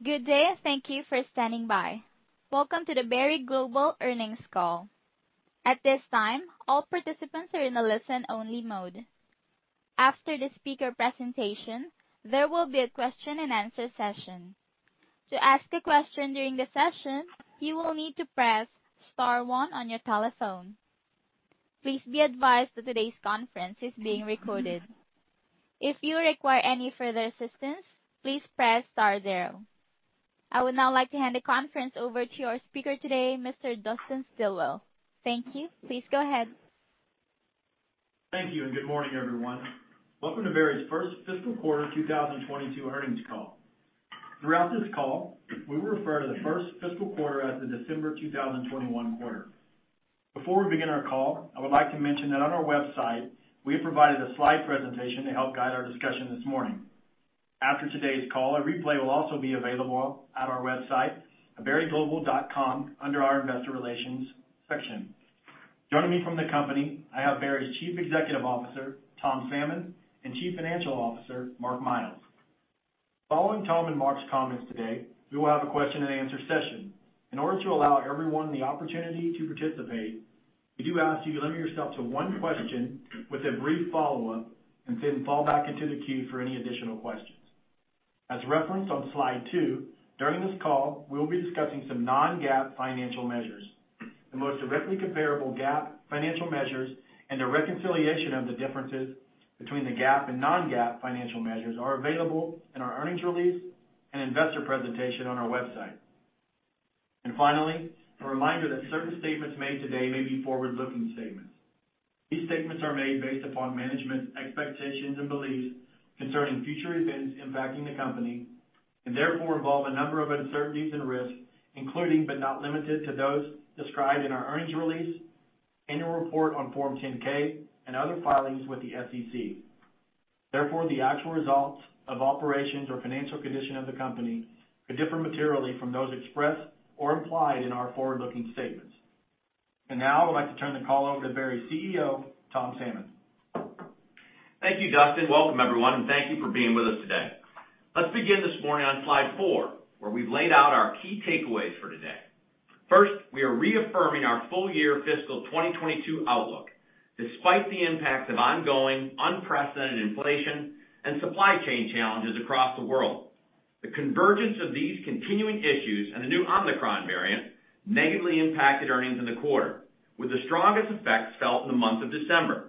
Good day, and thank you for standing by. Welcome to the Berry Global earnings call. At this time, all participants are in a listen-only mode. After the speaker presentation, there will be a question and answer session. To ask a question during the session, you will need to press star one on your telephone. Please be advised that today's conference is being recorded. If you require any further assistance, please press star zero. I would now like to hand the conference over to our speaker today, Mr. Dustin Stilwell. Thank you. Please go ahead. Thank you, and good morning, everyone. Welcome to Berry's first fiscal quarter 2022 earnings call. Throughout this call, we will refer to the first fiscal quarter as the December 2021 quarter. Before we begin our call, I would like to mention that on our website we have provided a slide presentation to help guide our discussion this morning. After today's call, a replay will also be available at our website at berryglobal.com under our investor relations section. Joining me from the company, I have Berry's Chief Executive Officer, Tom Salmon, and Chief Financial Officer, Mark Miles. Following Tom and Mark's comments today, we will have a question and answer session. In order to allow everyone the opportunity to participate, we do ask you to limit yourself to one question with a brief follow-up, and then fall back into the queue for any additional questions. As referenced on slide two, during this call, we'll be discussing some non-GAAP financial measures. The most directly comparable GAAP financial measures and the reconciliation of the differences between the GAAP and non-GAAP financial measures are available in our earnings release and investor presentation on our website. Finally, a reminder that certain statements made today may be forward-looking statements. These statements are made based upon management's expectations and beliefs concerning future events impacting the company, and therefore involve a number of uncertainties and risks, including, but not limited to, those described in our earnings release, annual report on Form 10-K, and other filings with the SEC. Therefore, the actual results of operations or financial condition of the company could differ materially from those expressed or implied in our forward-looking statements. Now I would like to turn the call over to Berry's CEO, Tom Salmon. Thank you, Dustin. Welcome, everyone, and thank you for being with us today. Let's begin this morning on slide four, where we've laid out our key takeaways for today. First, we are reaffirming our full year fiscal 2022 outlook, despite the impact of ongoing unprecedented inflation and supply chain challenges across the world. The convergence of these continuing issues and the new Omicron variant negatively impacted earnings in the quarter, with the strongest effects felt in the month of December.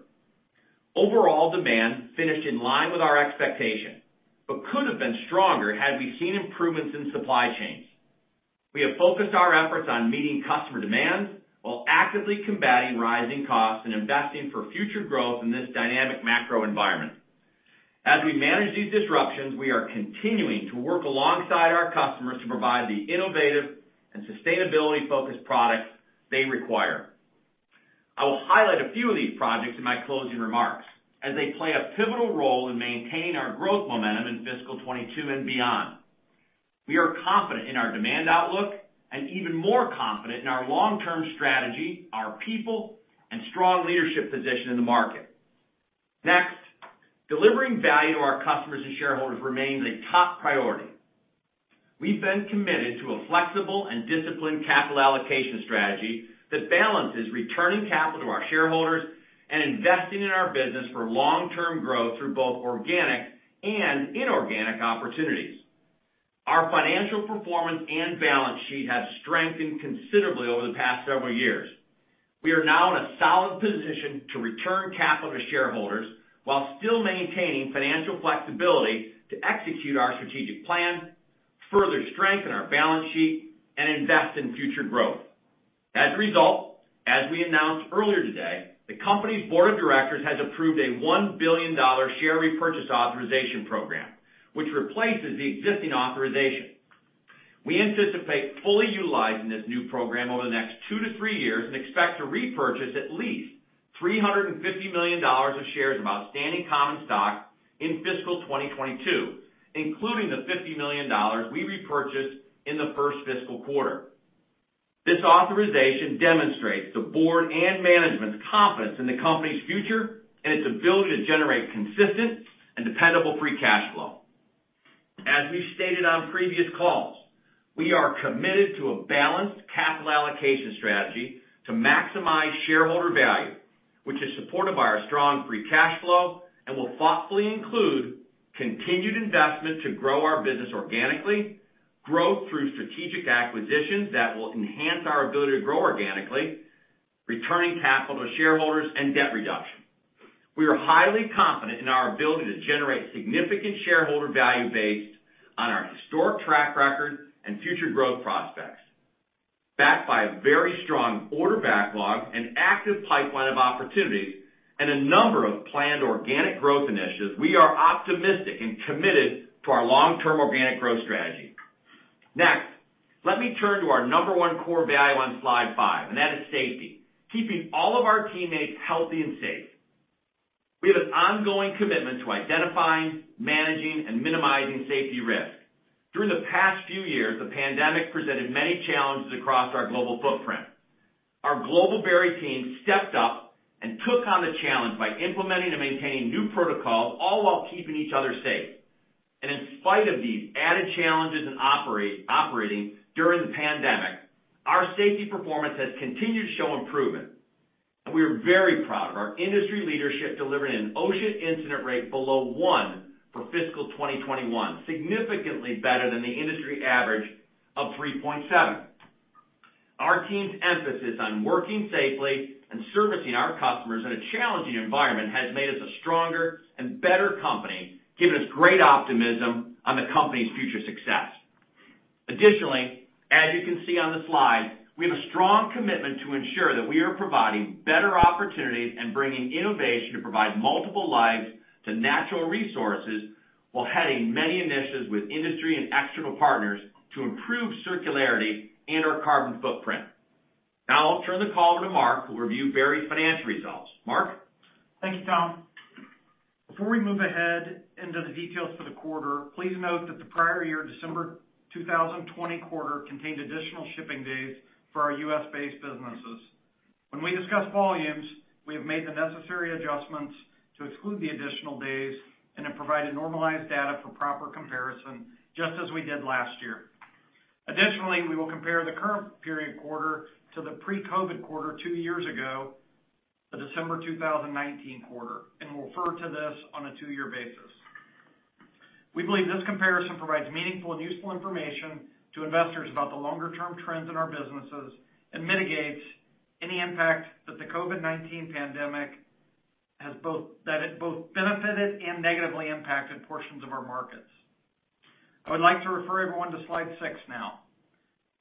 Overall demand finished in line with our expectation, but could have been stronger had we seen improvements in supply chains. We have focused our efforts on meeting customer demand while actively combating rising costs and investing for future growth in this dynamic macro environment. As we manage these disruptions, we are continuing to work alongside our customers to provide the innovative and sustainability-focused products they require. I will highlight a few of these projects in my closing remarks, as they play a pivotal role in maintaining our growth momentum in fiscal 2022 and beyond. We are confident in our demand outlook and even more confident in our long-term strategy, our people, and strong leadership position in the market. Next, delivering value to our customers and shareholders remains a top priority. We've been committed to a flexible and disciplined capital allocation strategy that balances returning capital to our shareholders and investing in our business for long-term growth through both organic and inorganic opportunities. Our financial performance and balance sheet have strengthened considerably over the past several years. We are now in a solid position to return capital to shareholders while still maintaining financial flexibility to execute our strategic plan, further strengthen our balance sheet, and invest in future growth. As a result, as we announced earlier today, the company's board of directors has approved a $1 billion share repurchase authorization program, which replaces the existing authorization. We anticipate fully utilizing this new program over the next two to three years and expect to repurchase at least $350 million of shares of outstanding common stock in fiscal 2022, including the $50 million we repurchased in the first fiscal quarter. This authorization demonstrates the board and management's confidence in the company's future and its ability to generate consistent and dependable free cash flow. As we've stated on previous calls, we are committed to a balanced capital allocation strategy to maximize shareholder value, which is supported by our strong free cash flow and will thoughtfully include continued investment to grow our business organically, growth through strategic acquisitions that will enhance our ability to grow organically, returning capital to shareholders, and debt reduction. We are highly confident in our ability to generate significant shareholder value based on our historic track record and future growth prospects. Backed by a very strong order backlog, an active pipeline of opportunities, and a number of planned organic growth initiatives, we are optimistic and committed to our long-term organic growth strategy. Next, let me turn to our number one core value on slide five, and that is safety, keeping all of our teammates healthy and safe. We have an ongoing commitment to identifying, managing, and minimizing safety risk. Through the past few years, the pandemic presented many challenges across our global footprint. Our global Berry team stepped up and took on the challenge by implementing and maintaining new protocols, all while keeping each other safe. In spite of these added challenges in operating during the pandemic, our safety performance has continued to show improvement. We are very proud of our industry leadership delivering an OSHA incident rate below one for fiscal 2021, significantly better than the industry average of 3.7. Our team's emphasis on working safely and servicing our customers in a challenging environment has made us a stronger and better company, giving us great optimism on the company's future success. Additionally, as you can see on the slide, we have a strong commitment to ensure that we are providing better opportunities and bringing innovation to provide multiple lives to natural resources, while heading many initiatives with industry and external partners to improve circularity and our carbon footprint. Now I'll turn the call over to Mark, who'll review Berry's financial results. Mark? Thank you, Tom. Before we move ahead into the details for the quarter, please note that the prior year December 2020 quarter contained additional shipping days for our U.S.-based businesses. When we discuss volumes, we have made the necessary adjustments to exclude the additional days and have provided normalized data for proper comparison, just as we did last year. Additionally, we will compare the current period quarter to the pre-COVID quarter two years ago, the December 2019 quarter, and we'll refer to this on a two-year basis. We believe this comparison provides meaningful and useful information to investors about the longer-term trends in our businesses and mitigates any impact that the COVID-19 pandemic has both benefited and negatively impacted portions of our markets. I would like to refer everyone to slide 6 now.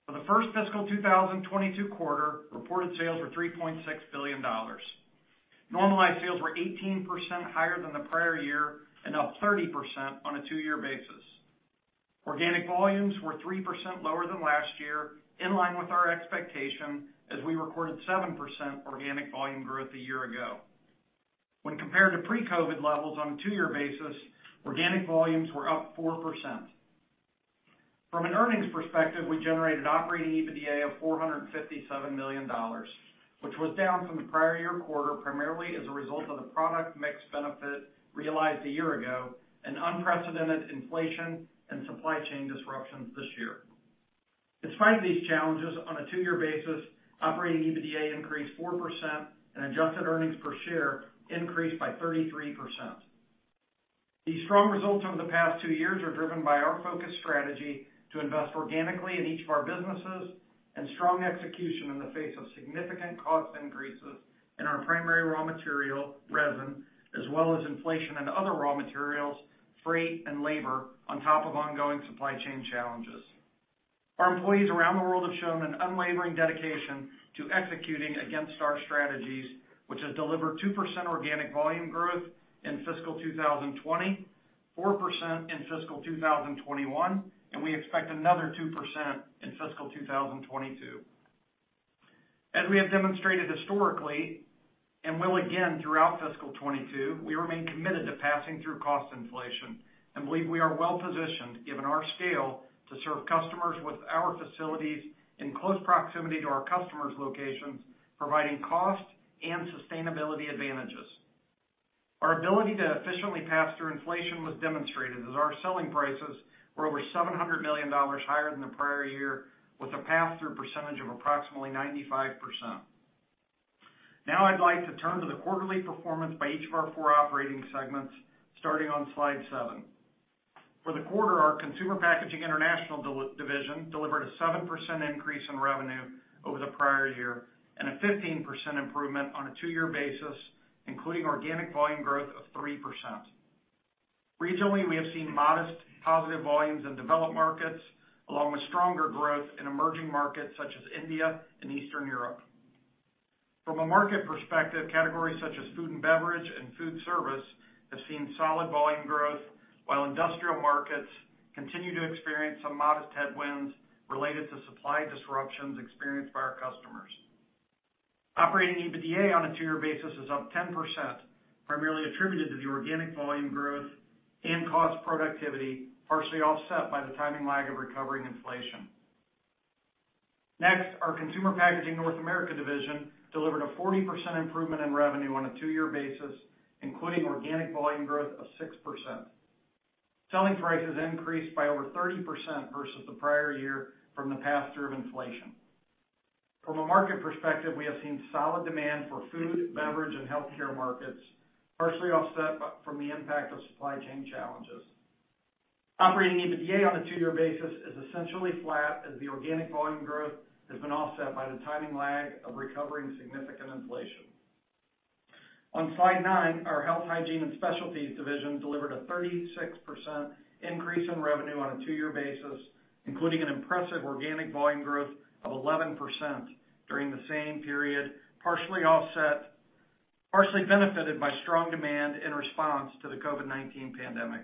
For the first fiscal 2022 quarter, reported sales were $3.6 billion. Normalized sales were 18% higher than the prior year and up 30% on a two-year basis. Organic volumes were 3% lower than last year, in line with our expectation as we recorded 7% organic volume growth a year ago. When compared to pre-COVID levels on a two-year basis, organic volumes were up 4%. From an earnings perspective, we generated operating EBITDA of $457 million, which was down from the prior year quarter, primarily as a result of the product mix benefit realized a year ago and unprecedented inflation and supply chain disruptions this year. Despite these challenges, on a two-year basis, operating EBITDA increased 4% and adjusted earnings per share increased by 33%. These strong results over the past two years are driven by our focused strategy to invest organically in each of our businesses and strong execution in the face of significant cost increases in our primary raw material, resin, as well as inflation in other raw materials, freight, and labor, on top of ongoing supply chain challenges. Our employees around the world have shown an unwavering dedication to executing against our strategies, which has delivered 2% organic volume growth in fiscal 2020, 4% in fiscal 2021, and we expect another 2% in fiscal 2022. As we have demonstrated historically, and will again throughout fiscal 2022, we remain committed to passing through cost inflation and believe we are well-positioned, given our scale, to serve customers with our facilities in close proximity to our customers' locations, providing cost and sustainability advantages. Our ability to efficiently pass through inflation was demonstrated as our selling prices were over $700 million higher than the prior year, with a pass-through percentage of approximately 95%. Now I'd like to turn to the quarterly performance by each of our four operating segments, starting on slide seven. For the quarter, our Consumer Packaging International division delivered a 7% increase in revenue over the prior year and a 15% improvement on a two year basis, including organic volume growth of 3%. Regionally, we have seen modest positive volumes in developed markets, along with stronger growth in emerging markets such as India and Eastern Europe. From a market perspective, categories such as food and beverage and food service have seen solid volume growth, while industrial markets continue to experience some modest headwinds related to supply disruptions experienced by our customers. Operating EBITDA on a two-year basis is up 10%, primarily attributed to the organic volume growth and cost productivity, partially offset by the timing lag of recovering inflation. Next, our Consumer Packaging North America division delivered a 40% improvement in revenue on a two-year basis, including organic volume growth of 6%. Selling prices increased by over 30% versus the prior year from the pass-through of inflation. From a market perspective, we have seen solid demand for food, beverage, and healthcare markets, partially offset by the impact of supply chain challenges. Operating EBITDA on a two-year basis is essentially flat as the organic volume growth has been offset by the timing lag of recovering significant inflation. On slide nine, our Health, Hygiene, and Specialties division delivered a 36% increase in revenue on a two-year basis, including an impressive organic volume growth of 11% during the same period, partially benefited by strong demand in response to the COVID-19 pandemic.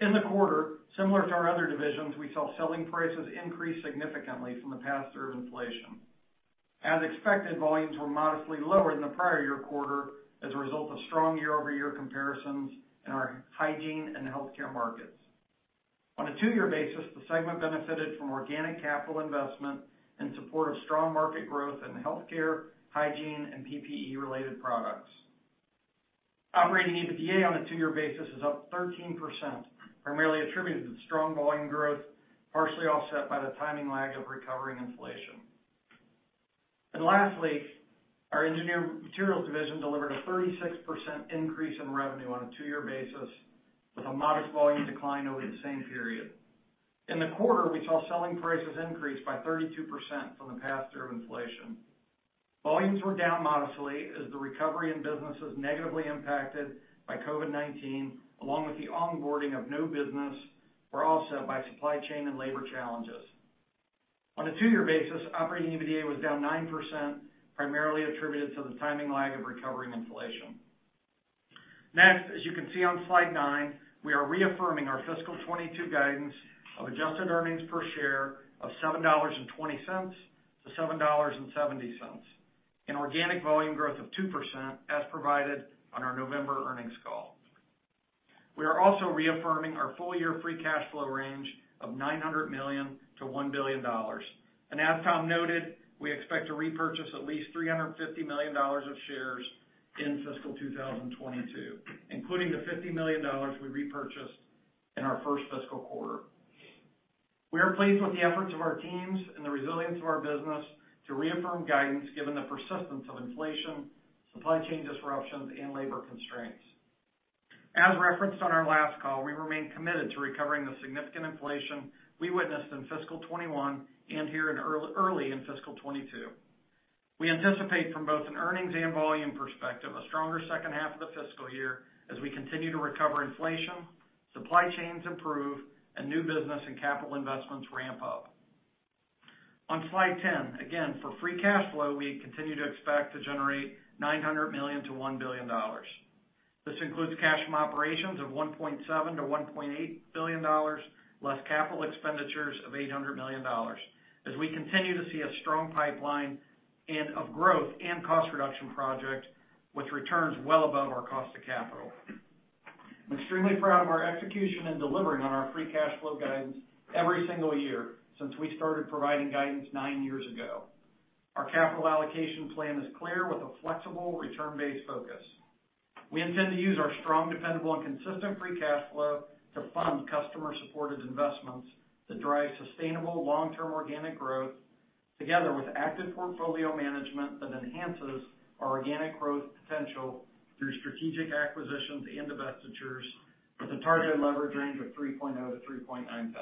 In the quarter, similar to our other divisions, we saw selling prices increase significantly from the pass-through of inflation. As expected, volumes were modestly lower than the prior year quarter as a result of strong year-over-year comparisons in our hygiene and healthcare markets. On a two-year basis, the segment benefited from organic capital investment in support of strong market growth in healthcare, hygiene, and PPE-related products. Operating EBITDA on a two-year basis is up 13%, primarily attributed to strong volume growth, partially offset by the timing lag of recovering inflation. Lastly, our Engineered Materials division delivered a 36% increase in revenue on a two-year basis, with a modest volume decline over the same period. In the quarter, we saw selling prices increase by 32% from the pass-through of inflation. Volumes were down modestly as the recovery in business was negatively impacted by COVID-19, along with the onboarding of new business, were offset by supply chain and labor challenges. On a two-year basis, Operating EBITDA was down 9%, primarily attributed to the timing lag of recovering inflation. Next, as you can see on slide nine, we are reaffirming our fiscal 2022 guidance of adjusted earnings per share of $7.20-$7.70, and organic volume growth of 2% as provided on our November earnings call. We are also reaffirming our full-year free cash flow range of $900 million-$1 billion. As Tom noted, we expect to repurchase at least $350 million of shares in fiscal 2022, including the $50 million we repurchased in our first fiscal quarter. We are pleased with the efforts of our teams and the resilience of our business to reaffirm guidance given the persistence of inflation, supply chain disruptions, and labor constraints. As referenced on our last call, we remain committed to recovering the significant inflation we witnessed in fiscal 2021 and here in early in fiscal 2022. We anticipate from both an earnings and volume perspective, a stronger second half of the fiscal year as we continue to recover inflation, supply chains improve, and new business and capital investments ramp up. On slide 10, again, for free cash flow, we continue to expect to generate $900 million-$1 billion. This includes cash from operations of $1.7 billion-$1.8 billion, less capital expenditures of $800 million as we continue to see a strong pipeline of growth and cost reduction projects with returns well above our cost of capital. I'm extremely proud of our execution in delivering on our free cash flow guidance every single year since we started providing guidance nine years ago. Our capital allocation plan is clear with a flexible return-based focus. We intend to use our strong, dependable, and consistent free cash flow to fund customer-supported investments that drive sustainable long-term organic growth together with active portfolio management that enhances our organic growth potential through strategic acquisitions and divestitures with a targeted leverage range of 3.0-3.9 times.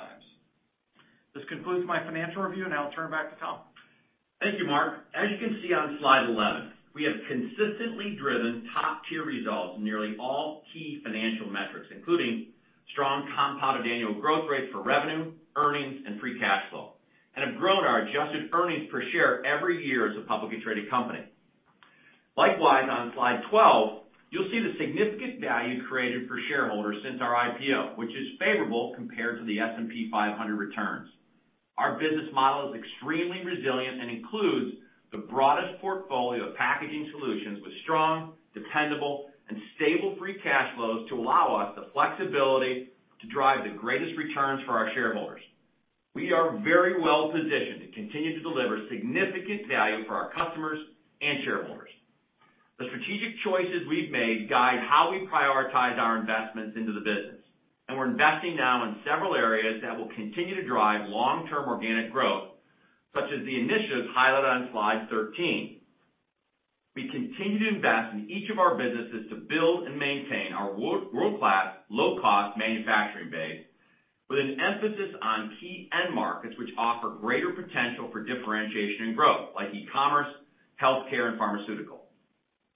This concludes my financial review, and I'll turn it back to Tom. Thank you, Mark. As you can see on slide 11, we have consistently driven top-tier results in nearly all key financial metrics, including strong compounded annual growth rates for revenue, earnings, and free cash flow, and have grown our adjusted earnings per share every year as a publicly traded company. Likewise, on slide 12, you'll see the significant value created for shareholders since our IPO, which is favorable compared to the S&P 500 returns. Our business model is extremely resilient and includes the broadest portfolio of packaging solutions with strong, dependable, and stable free cash flows to allow us the flexibility to drive the greatest returns for our shareholders. We are very well-positioned to continue to deliver significant value for our customers and shareholders. The strategic choices we've made guide how we prioritize our investments into the business, and we're investing now in several areas that will continue to drive long-term organic growth, such as the initiatives highlighted on slide 13. We continue to invest in each of our businesses to build and maintain our world-class, low-cost manufacturing base with an emphasis on key end markets which offer greater potential for differentiation and growth, like e-commerce, healthcare, and pharmaceutical.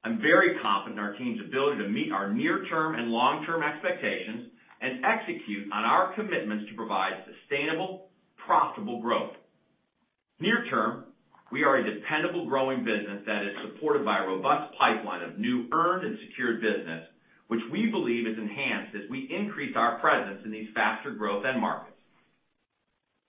I'm very confident in our team's ability to meet our near-term and long-term expectations and execute on our commitments to provide sustainable, profitable growth. Near term, we are a dependable growing business that is supported by a robust pipeline of new earned and secured business, which we believe is enhanced as we increase our presence in these faster-growth end markets.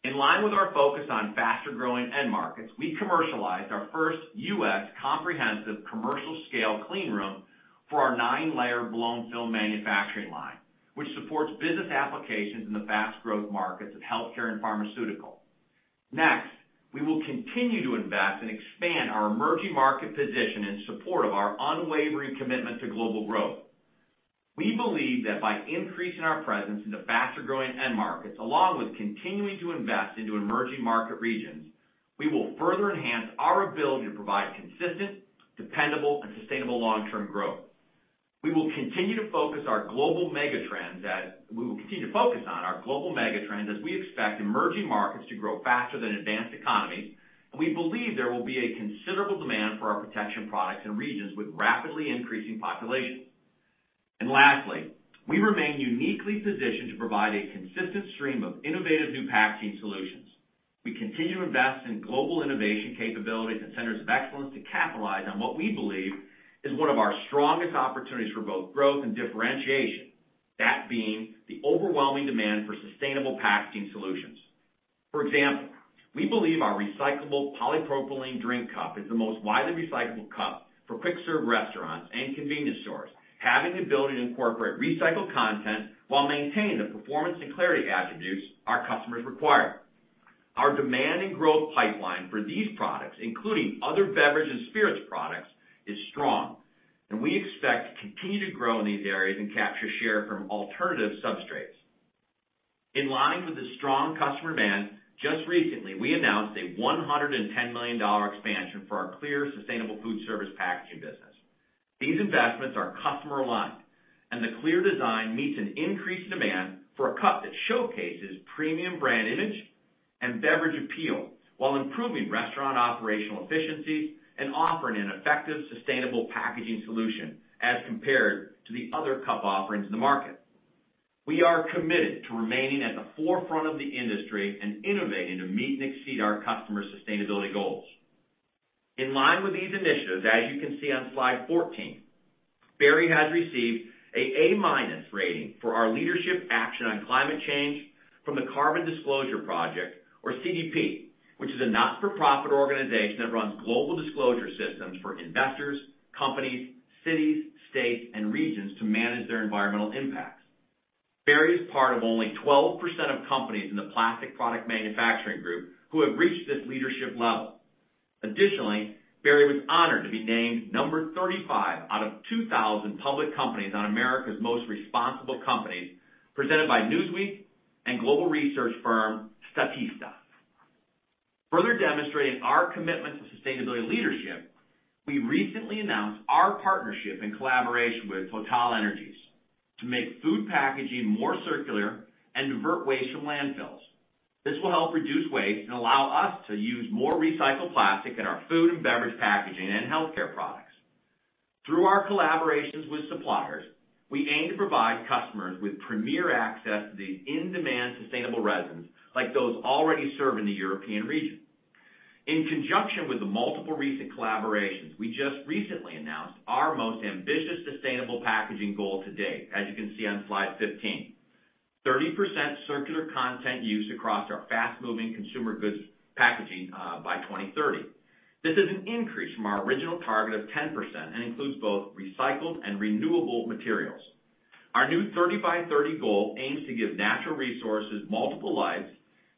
In line with our focus on faster-growing end markets, we commercialized our first U.S. comprehensive commercial-scale clean room for our nine-layer blown film manufacturing line, which supports business applications in the fast growth markets of healthcare and pharmaceutical. Next, we will continue to invest and expand our emerging market position in support of our unwavering commitment to global growth. We believe that by increasing our presence in the faster-growing end markets, along with continuing to invest into emerging market regions, we will further enhance our ability to provide consistent, dependable, and sustainable long-term growth. We will continue to focus on our global mega-trends as we expect emerging markets to grow faster than advanced economies, and we believe there will be a considerable demand for our protection products in regions with rapidly increasing populations. Lastly, we remain uniquely positioned to provide a consistent stream of innovative new packaging solutions. We continue to invest in global innovation capabilities and centers of excellence to capitalize on what we believe is one of our strongest opportunities for both growth and differentiation, that being the overwhelming demand for sustainable packaging solutions. For example, we believe our recyclable polypropylene drink cup is the most widely recyclable cup for quick serve restaurants and convenience stores, having the ability to incorporate recycled content while maintaining the performance and clarity attributes our customers require. Our demand and growth pipeline for these products, including other beverage and spirits products, is strong, and we expect to continue to grow in these areas and capture share from alternative substrates. In line with the strong customer demand, just recently, we announced a $110 million expansion for our clear, sustainable food service packaging business. These investments are customer aligned, and the clear design meets an increased demand for a cup that showcases premium brand image and beverage appeal while improving restaurant operational efficiencies and offering an effective, sustainable packaging solution as compared to the other cup offerings in the market. We are committed to remaining at the forefront of the industry and innovating to meet and exceed our customers' sustainability goals. In line with these initiatives, as you can see on slide 14, Berry has received an A-minus rating for our leadership action on climate change from the Carbon Disclosure Project, or CDP, which is a not-for-profit organization that runs global disclosure systems for investors, companies, cities, states, and regions to manage their environmental impacts. Berry is part of only 12% of companies in the plastic product manufacturing group who have reached this leadership level. Additionally, Berry was honored to be named number 35 out of 2,000 public companies on America's Most Responsible Companies, presented by Newsweek and global research firm Statista. Further demonstrating our commitment to sustainability leadership, we recently announced our partnership in collaboration with TotalEnergies to make food packaging more circular and divert waste from landfills. This will help reduce waste and allow us to use more recycled plastic in our food and beverage packaging and healthcare products. Through our collaborations with suppliers, we aim to provide customers with premier access to these in-demand sustainable resins, like those already serving the European region. In conjunction with the multiple recent collaborations, we just recently announced our most ambitious sustainable packaging goal to date, as you can see on slide 15. 30% circular content used across our fast-moving consumer goods packaging by 2030. This is an increase from our original target of 10% and includes both recycled and renewable materials. Our new 30-by-30 goal aims to give natural resources multiple lives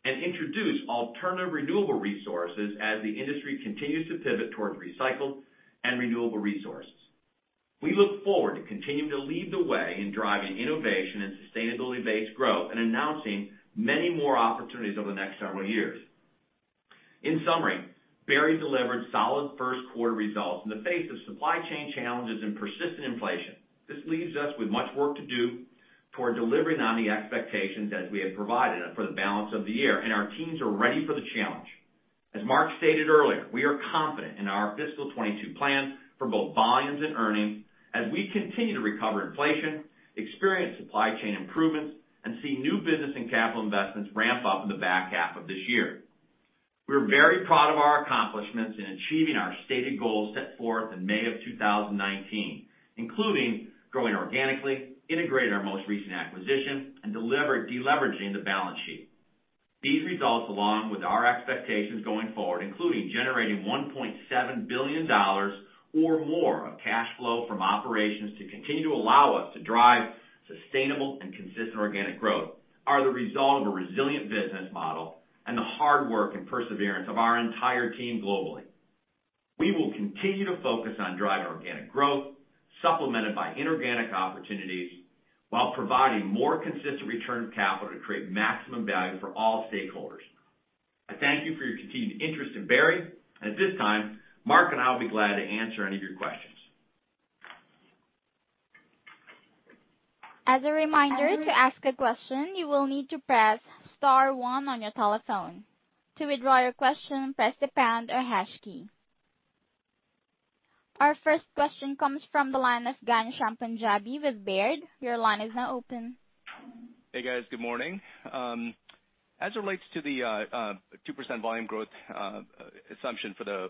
and introduce alternative renewable resources as the industry continues to pivot towards recycled and renewable resources. We look forward to continuing to lead the way in driving innovation and sustainability-based growth and announcing many more opportunities over the next several years. In summary, Berry delivered solid first quarter results in the face of supply chain challenges and persistent inflation. This leaves us with much work to do toward delivering on the expectations as we had provided for the balance of the year, and our teams are ready for the challenge. As Mark stated earlier, we are confident in our fiscal 2022 plans for both volumes and earnings as we continue to recover inflation, experience supply chain improvements, and see new business and capital investments ramp up in the back half of this year. We're very proud of our accomplishments in achieving our stated goals set forth in May of 2019, including growing organically, integrating our most recent acquisition, and deleveraging the balance sheet. These results, along with our expectations going forward, including generating $1.7 billion or more of cash flow from operations to continue to allow us to drive sustainable and consistent organic growth, are the result of a resilient business model and the hard work and perseverance of our entire team globally. We will continue to focus on driving organic growth, supplemented by inorganic opportunities, while providing more consistent return of capital to create maximum value for all stakeholders. I thank you for your continued interest in Berry. At this time, Mark and I will be glad to answer any of your questions. As a reminder, to ask a question, you will need to press star one on your telephone. To withdraw your question, press the pound or hash key. Our first question comes from the line of Ghansham Panjabi with Baird. Your line is now open. Hey, guys. Good morning. As it relates to the 2% volume growth assumption for the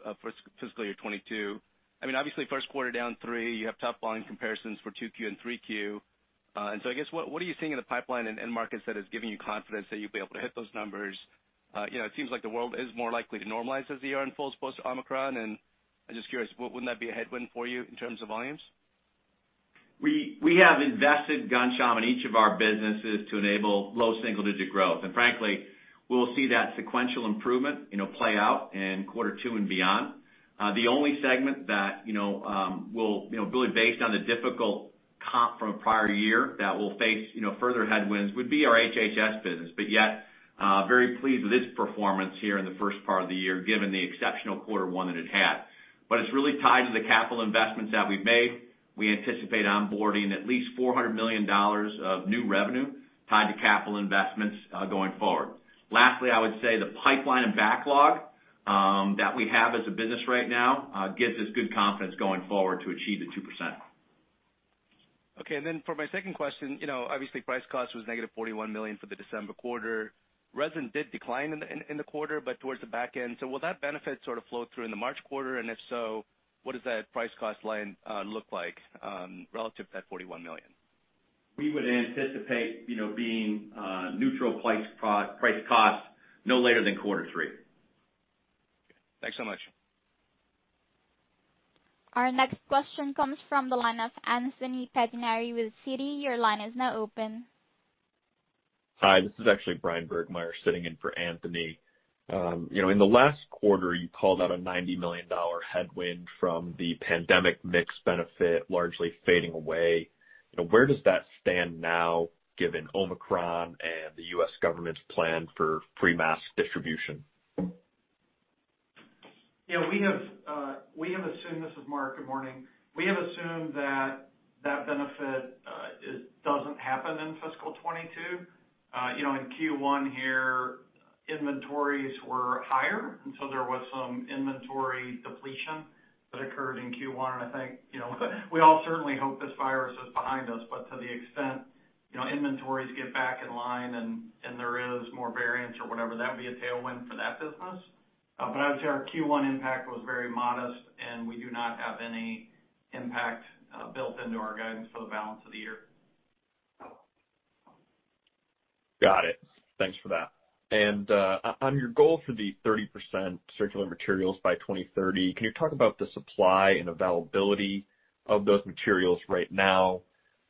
fiscal year 2022, I mean, obviously, first quarter down 3%, you have top line comparisons for 2Q and 3Q. I guess what are you seeing in the pipeline and end markets that is giving you confidence that you'll be able to hit those numbers? You know, it seems like the world is more likely to normalize this year in full as opposed to Omicron. I'm just curious, what wouldn't that be a headwind for you in terms of volumes? We have invested, Ghansham, in each of our businesses to enable low single-digit growth. Frankly, we'll see that sequential improvement, you know, play out in quarter two and beyond. The only segment that, you know, really, based on the difficult comp from a prior year, will face, you know, further headwinds would be our HH&S business. Yet, very pleased with its performance here in the first part of the year, given the exceptional quarter one that it had. It's really tied to the capital investments that we've made. We anticipate onboarding at least $400 million of new revenue tied to capital investments going forward. Lastly, I would say the pipeline and backlog that we have as a business right now gives us good confidence going forward to achieve the 2%. Okay. For my second question, you know, obviously price cost was negative $41 million for the December quarter. Resin did decline in the quarter, but towards the back end. Will that benefit sort of flow through in the March quarter? And if so, what does that price cost line look like relative to that $41 million? We would anticipate, you know, being neutral price-to-cost no later than quarter three. Thanks so much. Our next question comes from the line of Anthony Pettinari with Citi. Your line is now open. Hi, this is actually Bryan Burgmeier sitting in for Anthony. You know, in the last quarter, you called out a $90 million headwind from the pandemic mix benefit largely fading away. You know, where does that stand now given Omicron and the U.S. government's plan for free mask distribution? This is Mark Miles, good morning. We have assumed that that benefit doesn't happen in fiscal 2022. You know, in Q1 here, inventories were higher, and so there was some inventory depletion that occurred in Q1. I think, you know, we all certainly hope this virus is behind us, but to the extent, you know, inventories get back in line and there is more variance or whatever, that would be a tailwind for that business. I would say our Q1 impact was very modest, and we do not have any impact built into our guidance for the balance of the year. Got it. Thanks for that. On your goal for the 30% circular materials by 2030, can you talk about the supply and availability of those materials right now?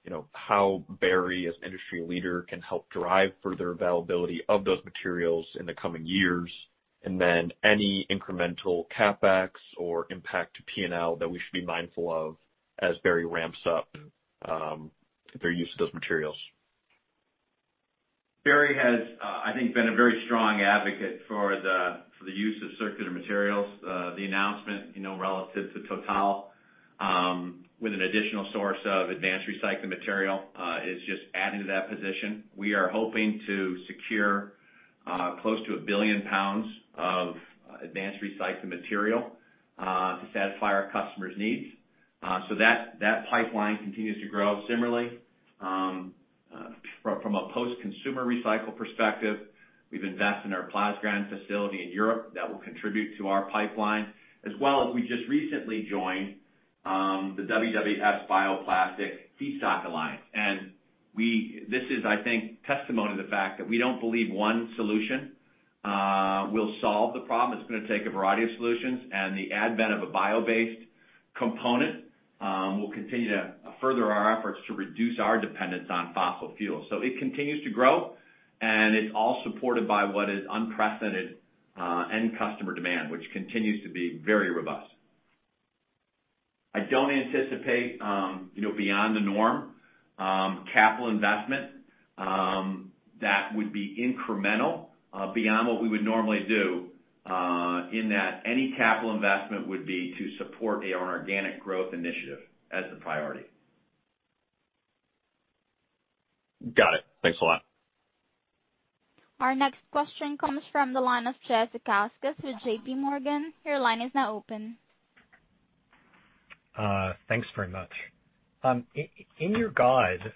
You know, how Berry, as industry leader, can help drive further availability of those materials in the coming years? Any incremental CapEx or impact to P&L that we should be mindful of as Berry ramps up their use of those materials? Berry has, I think, been a very strong advocate for the use of circular materials. The announcement, you know, relative to TotalEnergies, with an additional source of advanced recycling material, is just adding to that position. We are hoping to secure close to one billion pounds of advanced recycling material to satisfy our customers' needs. That pipeline continues to grow similarly. From a post-consumer recycle perspective, we've invested in our Plasgran facility in Europe that will contribute to our pipeline, as well as we just recently joined the WWF Bioplastic Feedstock Alliance. This is, I think, testimony to the fact that we don't believe one solution will solve the problem. It's gonna take a variety of solutions, and the advent of a bio-based component will continue to further our efforts to reduce our dependence on fossil fuels. It continues to grow, and it's all supported by what is unprecedented end customer demand, which continues to be very robust. I don't anticipate you know, beyond the norm, capital investment that would be incremental beyond what we would normally do in that any capital investment would be to support our organic growth initiative as the priority. Got it. Thanks a lot. Our next question comes from the line of Jeffrey Zekauskas with JP Morgan. Your line is now open. Thanks very much. In your guide,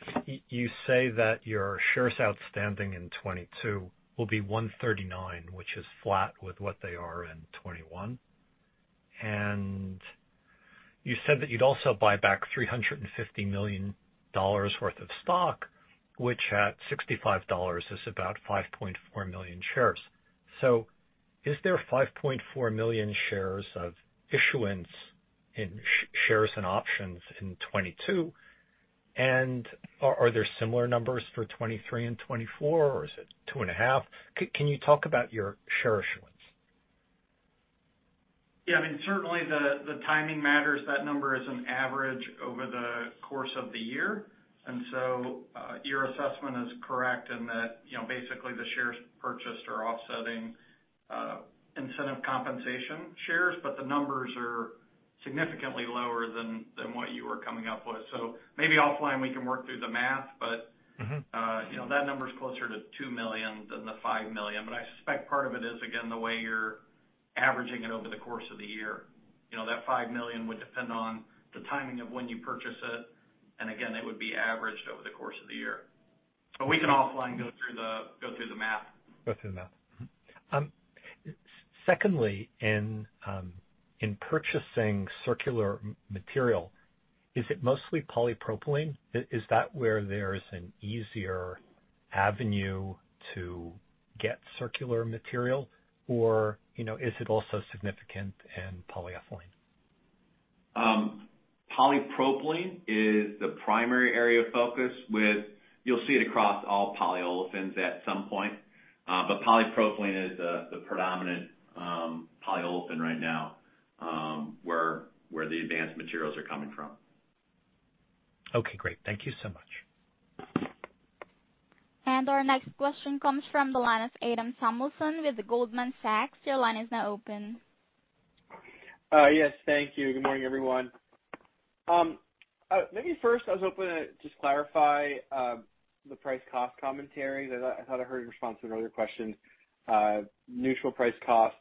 you say that your shares outstanding in 2022 will be 139, which is flat with what they are in 2021. You said that you'd also buy back $350 million worth of stock, which at $65 is about 5.4 million shares. Is there 5.4 million shares of issuance in shares and options in 2022? Are there similar numbers for 2023 and 2024, or is it 2.5? Can you talk about your share issuance? Yeah, I mean, certainly the timing matters. That number is an average over the course of the year. Your assessment is correct in that, you know, basically the shares purchased are offsetting incentive compensation shares, but the numbers are significantly lower than what you were coming up with. Maybe offline we can work through the math. Mm-hmm You know, that number is closer to two million than the five million. I suspect part of it is, again, the way you're averaging it over the course of the year. You know, that five million would depend on the timing of when you purchase it. Again, it would be averaged over the course of the year. We can offline go through the math. Go through the math. Mm-hmm. Secondly, in purchasing circular material, is it mostly polypropylene? Is that where there is an easier avenue to get circular material or, you know, is it also significant in polyolefin? Polypropylene is the primary area of focus with, you'll see it across all polyolefins at some point. Polypropylene is the predominant polyolefin right now, where the advanced materials are coming from. Okay, great. Thank you so much. Our next question comes from the line of Adam Samuelson with Goldman Sachs. Your line is now open. Yes, thank you. Good morning, everyone. Maybe first, I was hoping to just clarify the price cost commentary that I thought I heard in response to an earlier question. Neutral price cost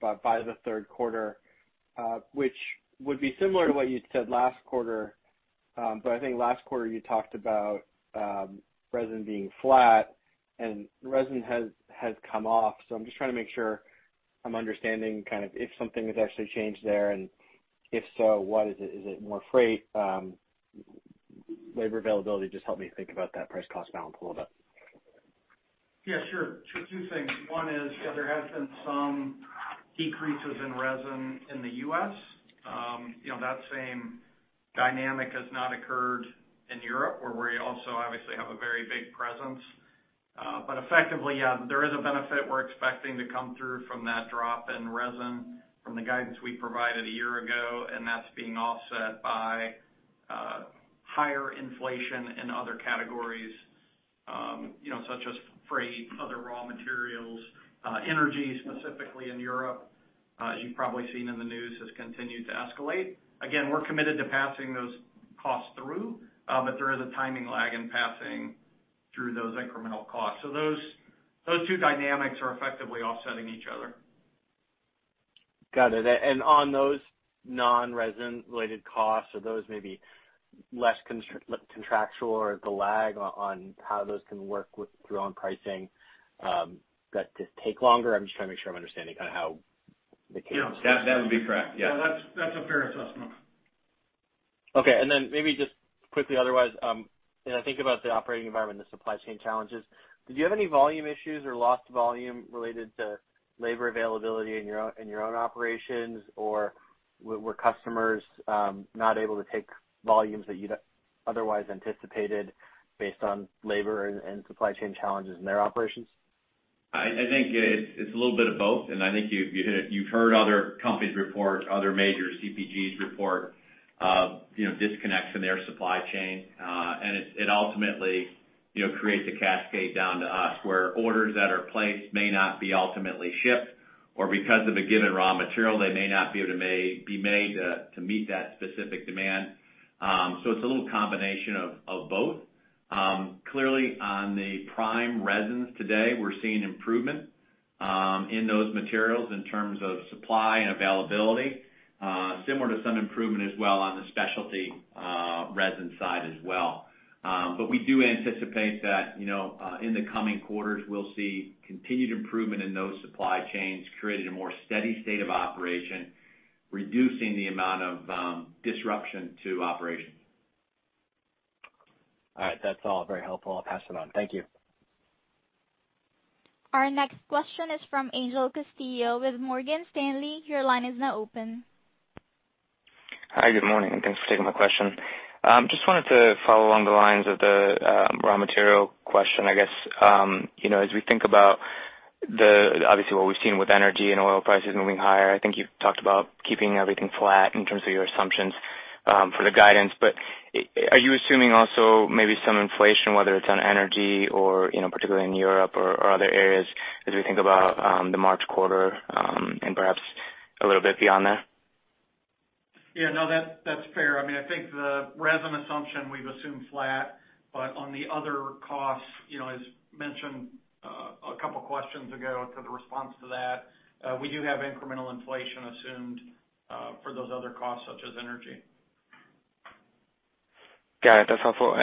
by the third quarter, which would be similar to what you'd said last quarter. I think last quarter you talked about resin being flat. Resin has come off. I'm just trying to make sure I'm understanding kind of if something has actually changed there, and if so, what is it? Is it more freight, labor availability? Just help me think about that price cost balance a little bit. Yeah, sure. Two things. One is, yeah, there has been some decreases in resin in the U.S. You know, that same dynamic has not occurred in Europe, where we also obviously have a very big presence. Effectively, yeah, there is a benefit we're expecting to come through from that drop in resin from the guidance we provided a year ago, and that's being offset by higher inflation in other categories, you know, such as freight, other raw materials, energy, specifically in Europe, as you've probably seen in the news, has continued to escalate. Again, we're committed to passing those costs through, but there is a timing lag in passing through those incremental costs. Those two dynamics are effectively offsetting each other. Got it. On those non-resin related costs or those maybe less contractual or the lag on how those can work with your own pricing, that just take longer? I'm just trying to make sure I'm understanding kind of how the case- Yeah, That would be correct. Yeah. Yeah, that's a fair assessment. Okay. Maybe just quickly otherwise, you know, I think about the operating environment, the supply chain challenges. Did you have any volume issues or lost volume related to labor availability in your own operations? Or were customers not able to take volumes that you'd otherwise anticipated based on labor and supply chain challenges in their operations? I think it's a little bit of both, and I think you've hit it. You've heard other companies report, other major CPGs report, you know, disconnects in their supply chain. It ultimately, you know, creates a cascade down to us, where orders that are placed may not be ultimately shipped, or because of a given raw material, they may not be able to be made to meet that specific demand. It's a little combination of both. Clearly, on the prime resins today, we're seeing improvement in those materials in terms of supply and availability, similar to some improvement as well on the specialty resin side as well. We do anticipate that, you know, in the coming quarters, we'll see continued improvement in those supply chains, creating a more steady state of operation, reducing the amount of disruption to operations. All right. That's all very helpful. I'll pass it on. Thank you. Our next question is from Angel Castillo with Morgan Stanley. Your line is now open. Hi. Good morning, and thanks for taking my question. Just wanted to follow along the lines of the raw material question, I guess. You know, as we think about obviously what we've seen with energy and oil prices moving higher, I think you've talked about keeping everything flat in terms of your assumptions for the guidance. But are you assuming also maybe some inflation, whether it's on energy or, you know, particularly in Europe or other areas as we think about the March quarter, and perhaps a little bit beyond there? Yeah, no, that's fair. I mean, I think the resin assumption, we've assumed flat. On the other costs, you know, as mentioned, a couple questions ago to the response to that, we do have incremental inflation assumed, for those other costs such as energy. Got it. That's helpful.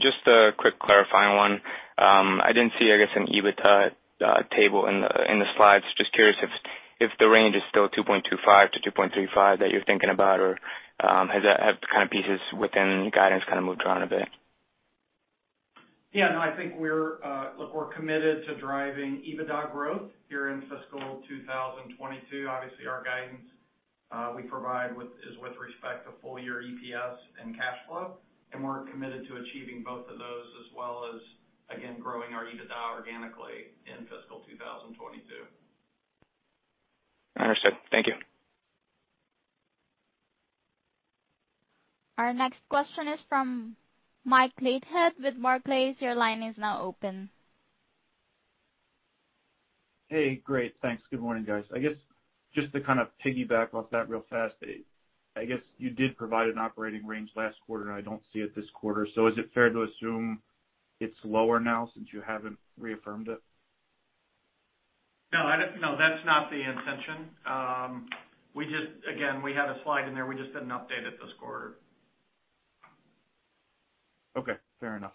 Just a quick clarifying one. I didn't see, I guess, an EBITDA table in the slides. Just curious if the range is still $2.25 billion-$2.35 billion that you're thinking about, or, have kind of pieces within guidance kind of moved around a bit? Yeah, no, I think we're. Look, we're committed to driving EBITDA growth here in fiscal 2022. Obviously, our guidance we provide with is with respect to full year EPS and cash flow, and we're committed to achieving both of those as well as, again, growing our EBITDA organically in fiscal 2022. Understood. Thank you. Our next question is from Mike Leithead with Barclays. Your line is now open. Hey. Great. Thanks. Good morning, guys. I guess just to kind of piggyback off that real fast. I guess you did provide an operating range last quarter. I don't see it this quarter. Is it fair to assume it's lower now since you haven't reaffirmed it? No, that's not the intention. Again, we had a slide in there. We just didn't update it this quarter. Okay. Fair enough.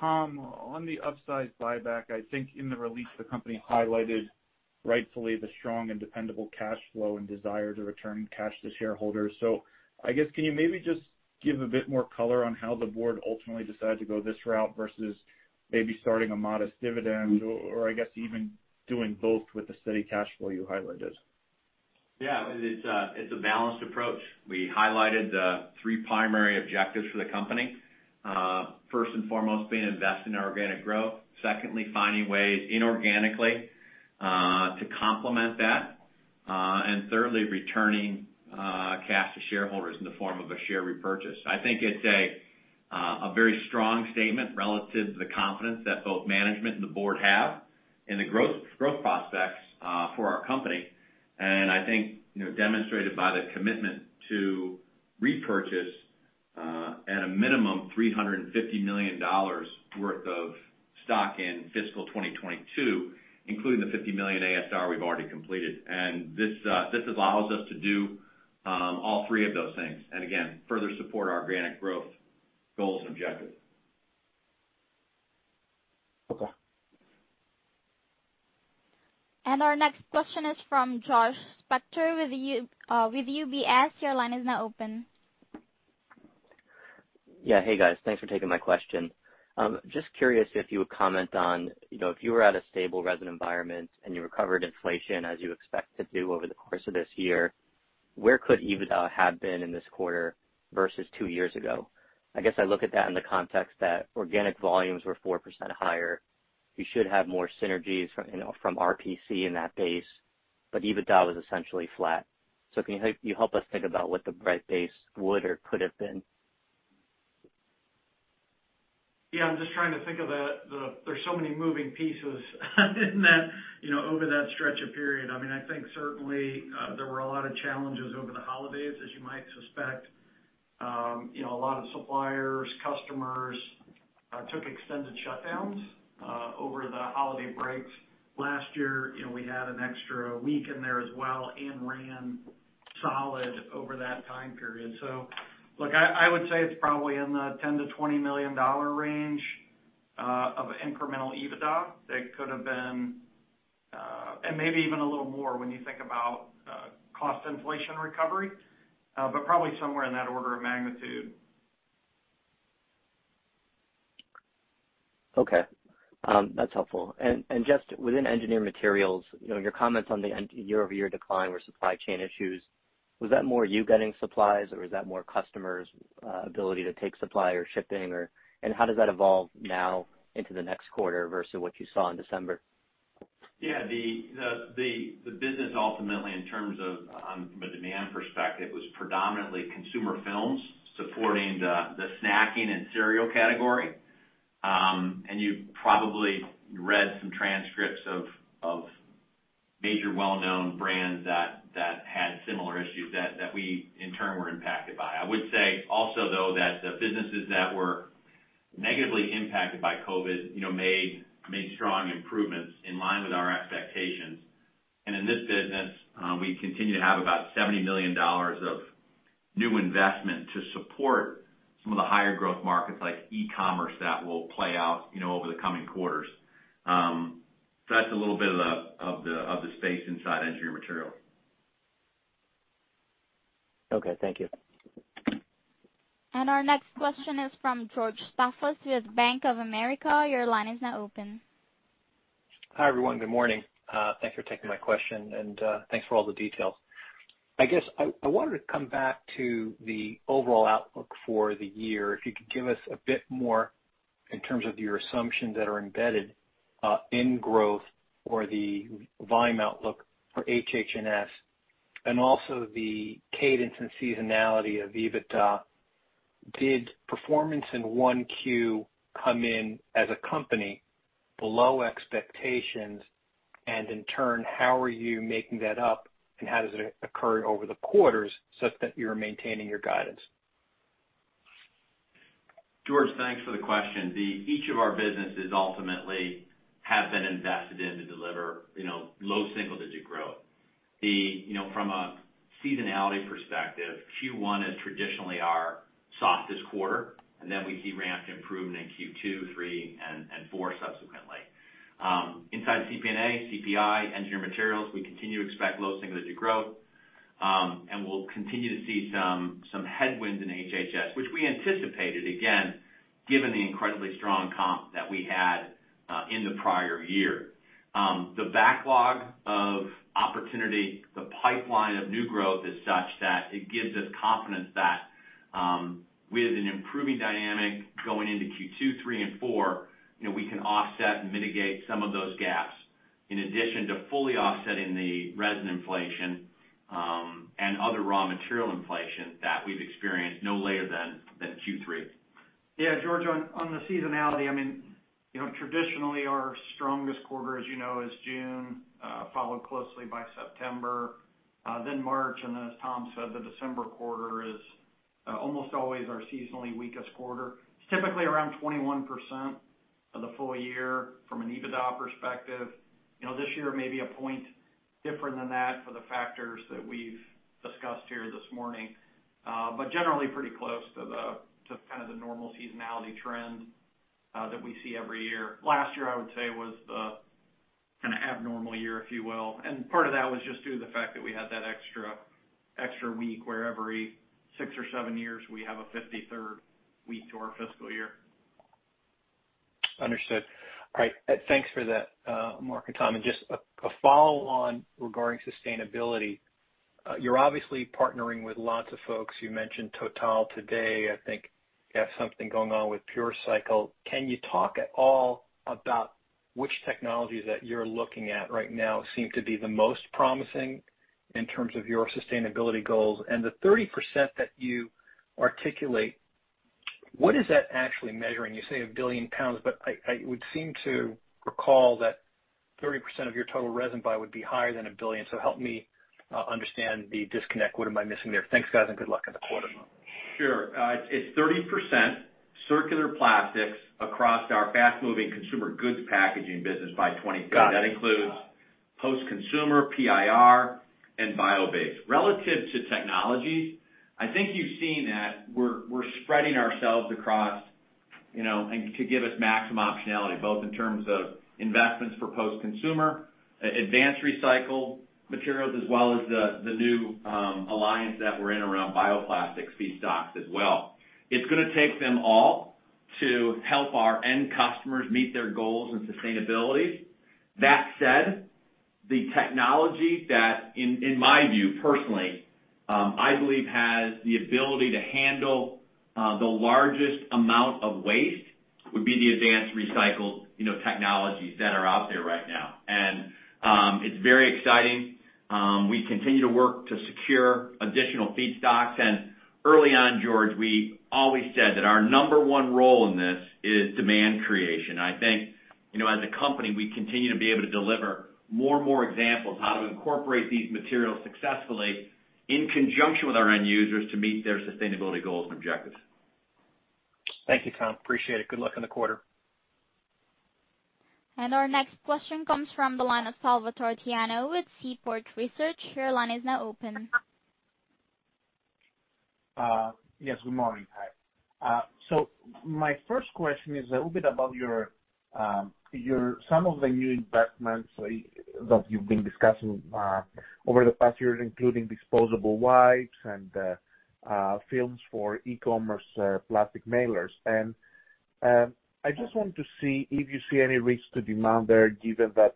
Tom, on the upsize buyback, I think in the release, the company highlighted rightfully the strong and dependable cash flow and desire to return cash to shareholders. I guess, can you maybe just give a bit more color on how the board ultimately decided to go this route versus maybe starting a modest dividend or I guess even doing both with the steady cash flow you highlighted? Yeah. It's a balanced approach. We highlighted the three primary objectives for the company. First and foremost, invest in our organic growth. Secondly, finding ways inorganically to complement that. Thirdly, returning cash to shareholders in the form of a share repurchase. I think it's a very strong statement relative to the confidence that both management and the board have in the growth prospects for our company. I think, you know, demonstrated by the commitment to repurchase, at a minimum, $350 million worth of stock in fiscal 2022, including the $50 million ASR we've already completed. This allows us to do all three of those things, and again, further support our organic growth goals and objectives. Okay. Our next question is from Josh Spector with UBS. Your line is now open. Yeah. Hey, guys. Thanks for taking my question. Just curious if you would comment on, you know, if you were at a stable resin environment and you recovered inflation as you expect to do over the course of this year, where could EBITDA have been in this quarter versus two years ago? I guess I look at that in the context that organic volumes were 4% higher. You should have more synergies from, you know, from RPC in that base, but EBITDA was essentially flat. So can you help us think about what the right base would or could have been? Yeah, I'm just trying to think of the. There's so many moving pieces in that, you know, over that stretch of period. I mean, I think certainly, there were a lot of challenges over the holidays, as you might suspect. You know, a lot of suppliers, customers took extended shutdowns over the holiday break. Last year, you know, we had an extra week in there as well and ran solid over that time period. Look, I would say it's probably in the $10 million-$20 million range of incremental EBITDA that could have been, and maybe even a little more when you think about cost inflation recovery. But probably somewhere in that order of magnitude. Okay. That's helpful. Just within Engineered Materials, you know, your comments on the year-over-year decline or supply chain issues, was that more you getting supplies or was that more customers' ability to take supply or shipping? How does that evolve now into the next quarter versus what you saw in December? Yeah, the business ultimately in terms of from a demand perspective was predominantly consumer films supporting the snacking and cereal category. You probably read some transcripts of major well-known brands that had similar issues that we in turn were impacted by. I would say also, though, that the businesses that were negatively impacted by COVID, you know, made strong improvements in line with our expectations. In this business, we continue to have about $70 million of new investment to support some of the higher growth markets like e-commerce that will play out, you know, over the coming quarters. That's a little bit of the space inside Engineered Materials. Okay. Thank you. Our next question is from George Staphos with Bank of America. Your line is now open. Hi, everyone. Good morning. Thanks for taking my question, and thanks for all the details. I wanted to come back to the overall outlook for the year. If you could give us a bit more in terms of your assumptions that are embedded in growth or the volume outlook for HH&S, and also the cadence and seasonality of EBITDA. Did performance in Q1 come in as a company below expectations? In turn, how are you making that up, and how does it occur over the quarters such that you're maintaining your guidance? George, thanks for the question. Each of our businesses ultimately have been invested in to deliver, you know, low single digit growth. From a seasonality perspective, Q1 is traditionally our softest quarter, and then we see ramps improve in Q2, three, and four subsequently. Inside CPNA, CPI, Engineered Materials, we continue to expect low single digit growth, and we'll continue to see some headwinds in HH&S, which we anticipated, again, given the incredibly strong comp that we had in the prior year. The backlog of opportunity, the pipeline of new growth is such that it gives us confidence that we have an improving dynamic going into Q2, three and four. You know, we can offset and mitigate some of those gaps in addition to fully offsetting the resin inflation, and other raw material inflation that we've experienced no later than Q3. Yeah. George, on the seasonality, I mean, you know, traditionally our strongest quarter, as you know, is June, followed closely by September, then March. As Tom said, the December quarter is almost always our seasonally weakest quarter. It's typically around 21% of the full year from an EBITDA perspective. You know, this year may be a point different than that for the factors that we've discussed here this morning. But generally pretty close to kind of the normal seasonality trend that we see every year. Last year I would say was the kinda abnormal year, if you will, and part of that was just due to the fact that we had that extra week where every six or seven years we have a 53rd week to our fiscal year. Understood. All right. Thanks for that, Mark and Tom. Just a follow on regarding sustainability. You're obviously partnering with lots of folks. You mentioned Total today. I think you have something going on with PureCycle. Can you talk at all about which technologies that you're looking at right now seem to be the most promising in terms of your sustainability goals? The 30% that you articulate, what is that actually measuring? You say one billion pounds, but I would seem to recall that 30% of your total resin buy would be higher than one billion. Help me understand the disconnect. What am I missing there? Thanks, guys, and good luck in the quarter. Sure. It's 30% circular plastics across our fast-moving consumer goods packaging business by 2023. Got it. That includes post-consumer, PIR, and biobase. Relative to technologies, I think you've seen that we're spreading ourselves across, you know, and to give us maximum optionality, both in terms of investments for post-consumer, advanced recycle materials as well as the new alliance that we're in around bioplastics feedstocks as well. It's gonna take them all to help our end customers meet their goals in sustainability. That said, the technology that in my view, personally, I believe has the ability to handle the largest amount of waste would be the advanced recycled, you know, technologies that are out there right now. We continue to work to secure additional feedstocks. Early on, George, we always said that our number one role in this is demand creation. I think, you know, as a company, we continue to be able to deliver more and more examples how to incorporate these materials successfully in conjunction with our end users to meet their sustainability goals and objectives. Thank you, Tom. Appreciate it. Good luck in the quarter. Our next question comes from the line of Salvatore Tiano with Seaport Research. Your line is now open. Yes, good morning. Hi. My first question is a little bit about your some of the new investments that you've been discussing over the past years, including disposable wipes and films for e-commerce, plastic mailers. I just want to see if you see any risk to demand there, given that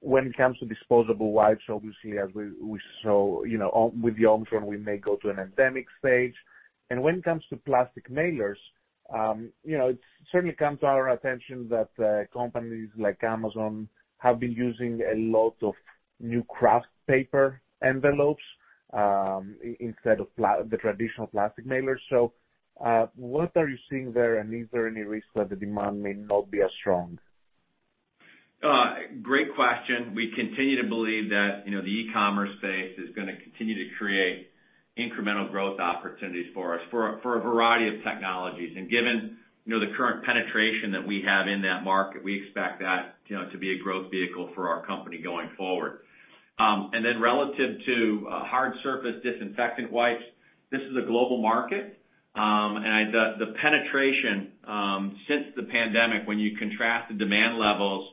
when it comes to disposable wipes, obviously, as we saw, you know, with the Omicron, we may go to an endemic stage. When it comes to plastic mailers, you know, it certainly comes to our attention that companies like Amazon have been using a lot of new craft paper envelopes instead of the traditional plastic mailers. What are you seeing there? Is there any risk that the demand may not be as strong? Great question. We continue to believe that, you know, the e-commerce space is gonna continue to create incremental growth opportunities for us for a variety of technologies. Given, you know, the current penetration that we have in that market, we expect that, you know, to be a growth vehicle for our company going forward. Relative to hard surface disinfectant wipes, this is a global market. The penetration since the pandemic, when you contrast the demand levels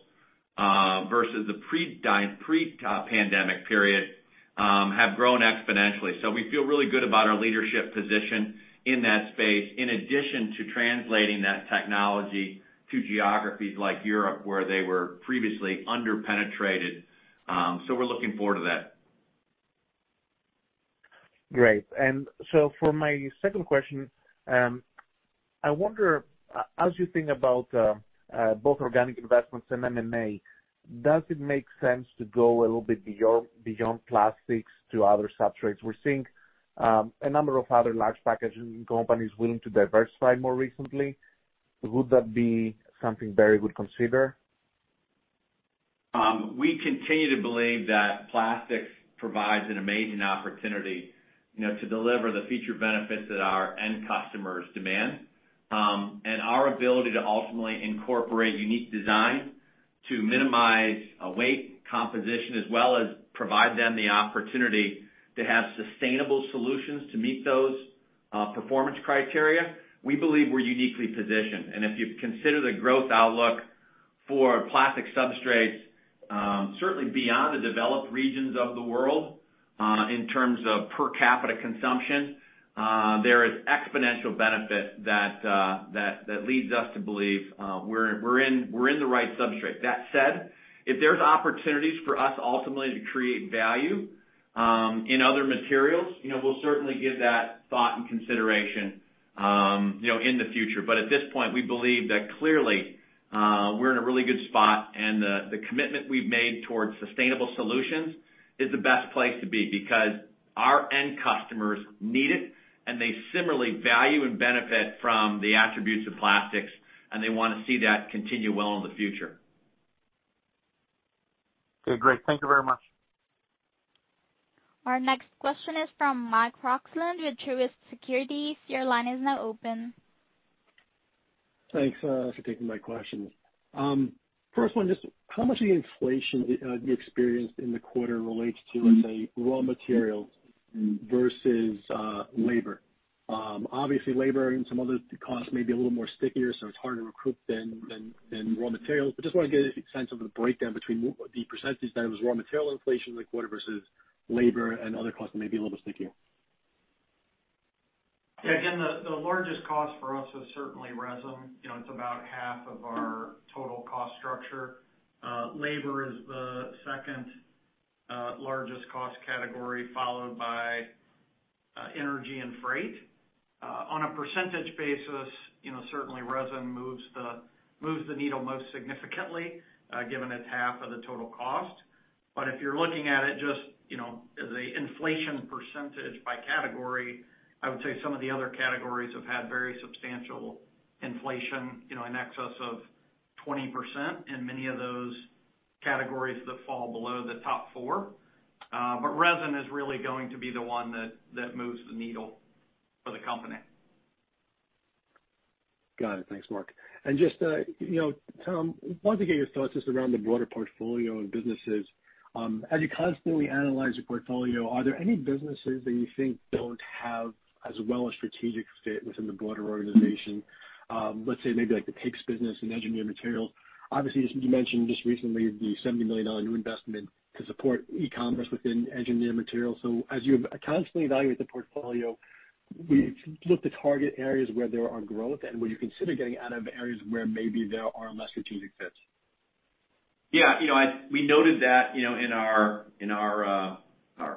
versus the pre-pandemic period, have grown exponentially. We feel really good about our leadership position in that space, in addition to translating that technology to geographies like Europe, where they were previously under-penetrated. We're looking forward to that. Great. For my second question, I wonder, as you think about both organic investments and M&A, does it make sense to go a little bit beyond plastics to other substrates? We're seeing a number of other large packaging companies willing to diversify more recently. Would that be something Berry would consider? We continue to believe that plastics provides an amazing opportunity, you know, to deliver the feature benefits that our end customers demand. Our ability to ultimately incorporate unique design to minimize a weight composition as well as provide them the opportunity to have sustainable solutions to meet those performance criteria, we believe we're uniquely positioned. If you consider the growth outlook for plastic substrates, certainly beyond the developed regions of the world, in terms of per capita consumption, there is exponential benefit that leads us to believe we're in the right substrate. That said, if there's opportunities for us ultimately to create value in other materials, you know, we'll certainly give that thought and consideration, you know, in the future. At this point, we believe that clearly, we're in a really good spot, and the commitment we've made towards sustainable solutions is the best place to be because our end customers need it, and they similarly value and benefit from the attributes of plastics, and they wanna see that continue well in the future. Okay, great. Thank you very much. Our next question is from Michael Roxland with Truist Securities. Your line is now open. Thanks for taking my questions. First one, just how much of the inflation you experienced in the quarter relates to, let's say, raw materials versus labor? Obviously, labor and some other costs may be a little more stickier, so it's harder to recoup than raw materials. Just wanna get a sense of the breakdown between the percentage that it was raw material inflation in the quarter versus labor and other costs that may be a little stickier. Yeah. Again, the largest cost for us is certainly resin. You know, it's about half of our total cost structure. Labor is the second largest cost category, followed by energy and freight. On a percentage basis, you know, certainly resin moves the needle most significantly, given it's half of the total cost. But if you're looking at it just, you know, as an inflation percentage by category, I would say some of the other categories have had very substantial inflation, you know, in excess of 20%, and many of those Categories that fall below the top four. Resin is really going to be the one that moves the needle for the company. Got it. Thanks, Mark. Just, you know, Tom, I wanted to get your thoughts just around the broader portfolio and businesses. As you constantly analyze your portfolio, are there any businesses that you think don't have as well a strategic fit within the broader organization? Let's say maybe like the cakes business and Engineered Materials. Obviously, as you mentioned just recently, the $70 million new investment to support e-commerce within Engineered Materials. As you constantly evaluate the portfolio, we look to target areas where there are growth and where you consider getting out of areas where maybe there are less strategic fits. Yeah, you know, we noted that, you know, in our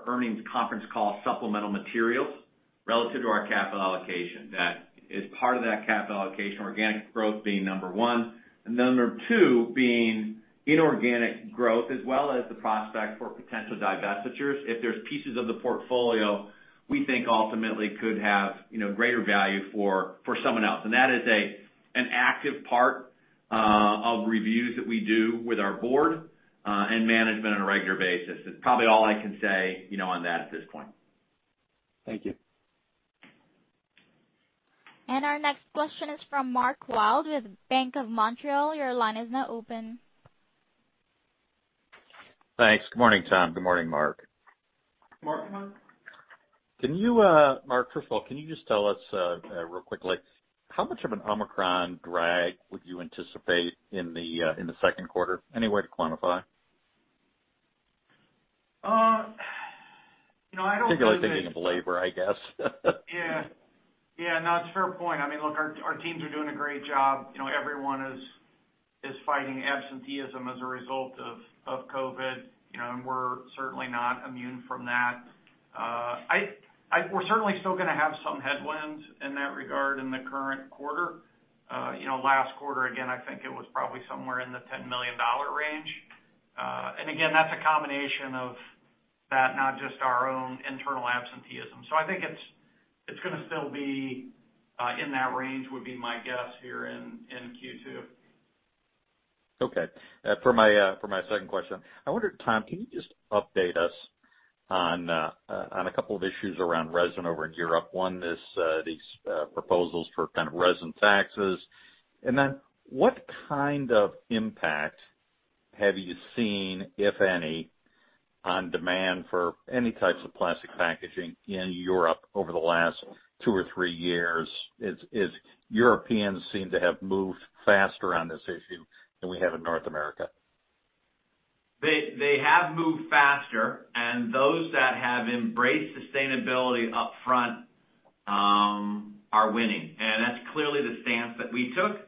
earnings conference call supplemental materials relative to our capital allocation. That as part of that capital allocation, organic growth being number one, and number two being inorganic growth, as well as the prospect for potential divestitures. If there's pieces of the portfolio we think ultimately could have, you know, greater value for someone else. That is an active part of reviews that we do with our board and management on a regular basis. It's probably all I can say, you know, on that at this point. Thank you. Our next question is from Mark Wilde with Bank of Montreal. Your line is now open. Thanks. Good morning, Tom. Good morning, Mark. Mark Wilde. Can you, Mark, first of all, can you just tell us, real quickly, how much of an Omicron drag would you anticipate in the second quarter? Any way to quantify? You know, I don't believe it. Particularly thinking of labor, I guess. Yeah. Yeah, no, it's a fair point. I mean, look, our teams are doing a great job. You know, everyone is fighting absenteeism as a result of COVID, you know, and we're certainly not immune from that. We're certainly still gonna have some headwinds in that regard in the current quarter. You know, last quarter, again, I think it was probably somewhere in the $10 million range. Again, that's a combination of that, not just our own internal absenteeism. I think it's gonna still be in that range, would be my guess here in Q2. Okay. For my second question, I wonder, Tom, can you just update us on a couple of issues around resin over in Europe? One, these proposals for kind of resin taxes. Then what kind of impact have you seen, if any, on demand for any types of plastic packaging in Europe over the last two or three years as Europeans seem to have moved faster on this issue than we have in North America? They have moved faster, and those that have embraced sustainability upfront are winning. That's clearly the stance that we took,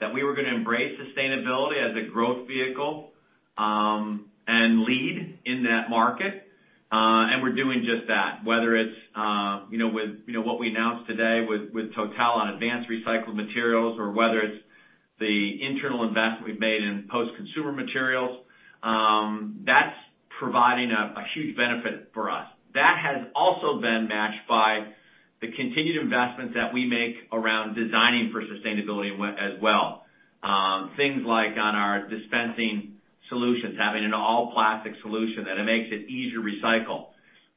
that we were gonna embrace sustainability as a growth vehicle, and lead in that market. We're doing just that, whether it's you know with you know what we announced today with Total on advanced recycled materials or whether it's the internal investment we've made in post-consumer materials, that's providing a huge benefit for us. That has also been matched by the continued investments that we make around designing for sustainability as well. Things like on our dispensing solutions, having an all plastic solution, and it makes it easier to recycle.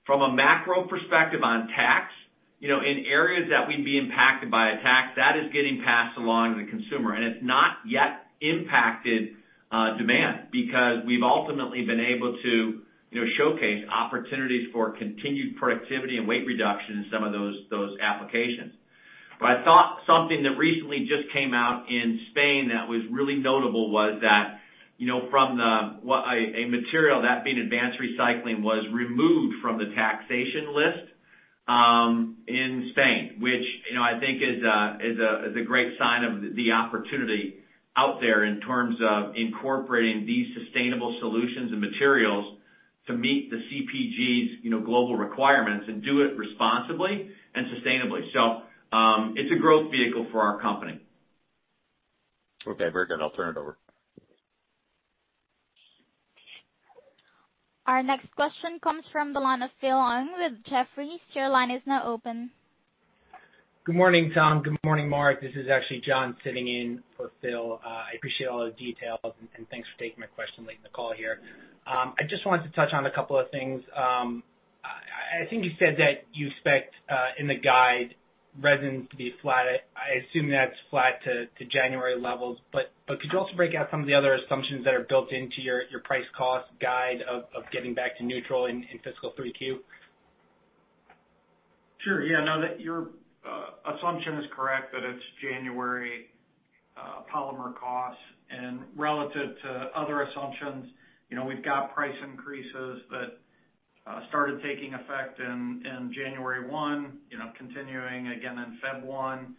From a macro perspective on tax, you know, in areas that we'd be impacted by a tax, that is getting passed along to the consumer, and it's not yet impacted demand because we've ultimately been able to, you know, showcase opportunities for continued productivity and weight reduction in some of those applications. I thought something that recently just came out in Spain that was really notable was that, you know, a material, that being advanced recycling, was removed from the taxation list in Spain, which, you know, I think is a great sign of the opportunity out there in terms of incorporating these sustainable solutions and materials to meet the CPG's, you know, global requirements and do it responsibly and sustainably. It's a growth vehicle for our company. Okay. Very good. I'll turn it over. Our next question comes from the line of Philip Ng with Jefferies. Your line is now open. Good morning, Tom. Good morning, Mark. This is actually John sitting in for Phil. I appreciate all the details and thanks for taking my question late in the call here. I just wanted to touch on a couple of things. I think you said that you expect in the guidance, resins to be flat. I assume that's flat to January levels. Could you also break out some of the other assumptions that are built into your price-cost guide of getting back to neutral in fiscal 3Q? Sure. Yeah. No, your assumption is correct, that it's January polymer costs. Relative to other assumptions, you know, we've got price increases that started taking effect in January 1, you know, continuing again in February 1,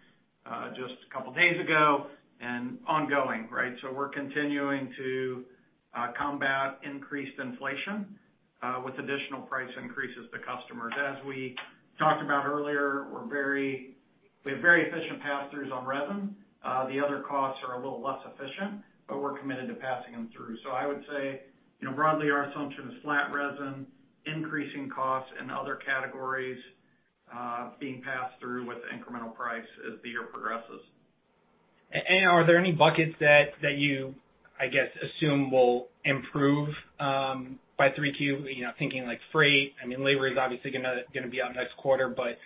just a couple days ago and ongoing, right? We're continuing to combat increased inflation with additional price increases to customers. As we talked about earlier, we have very efficient passthroughs on resin. The other costs are a little less efficient, but we're committed to passing them through. I would say, you know, broadly, our assumption is flat resin, increasing costs and other categories being passed through with incremental price as the year progresses. Are there any buckets that you, I guess, assume will improve by 3Q? You know, thinking like freight. I mean, labor is obviously gonna be out next quarter, but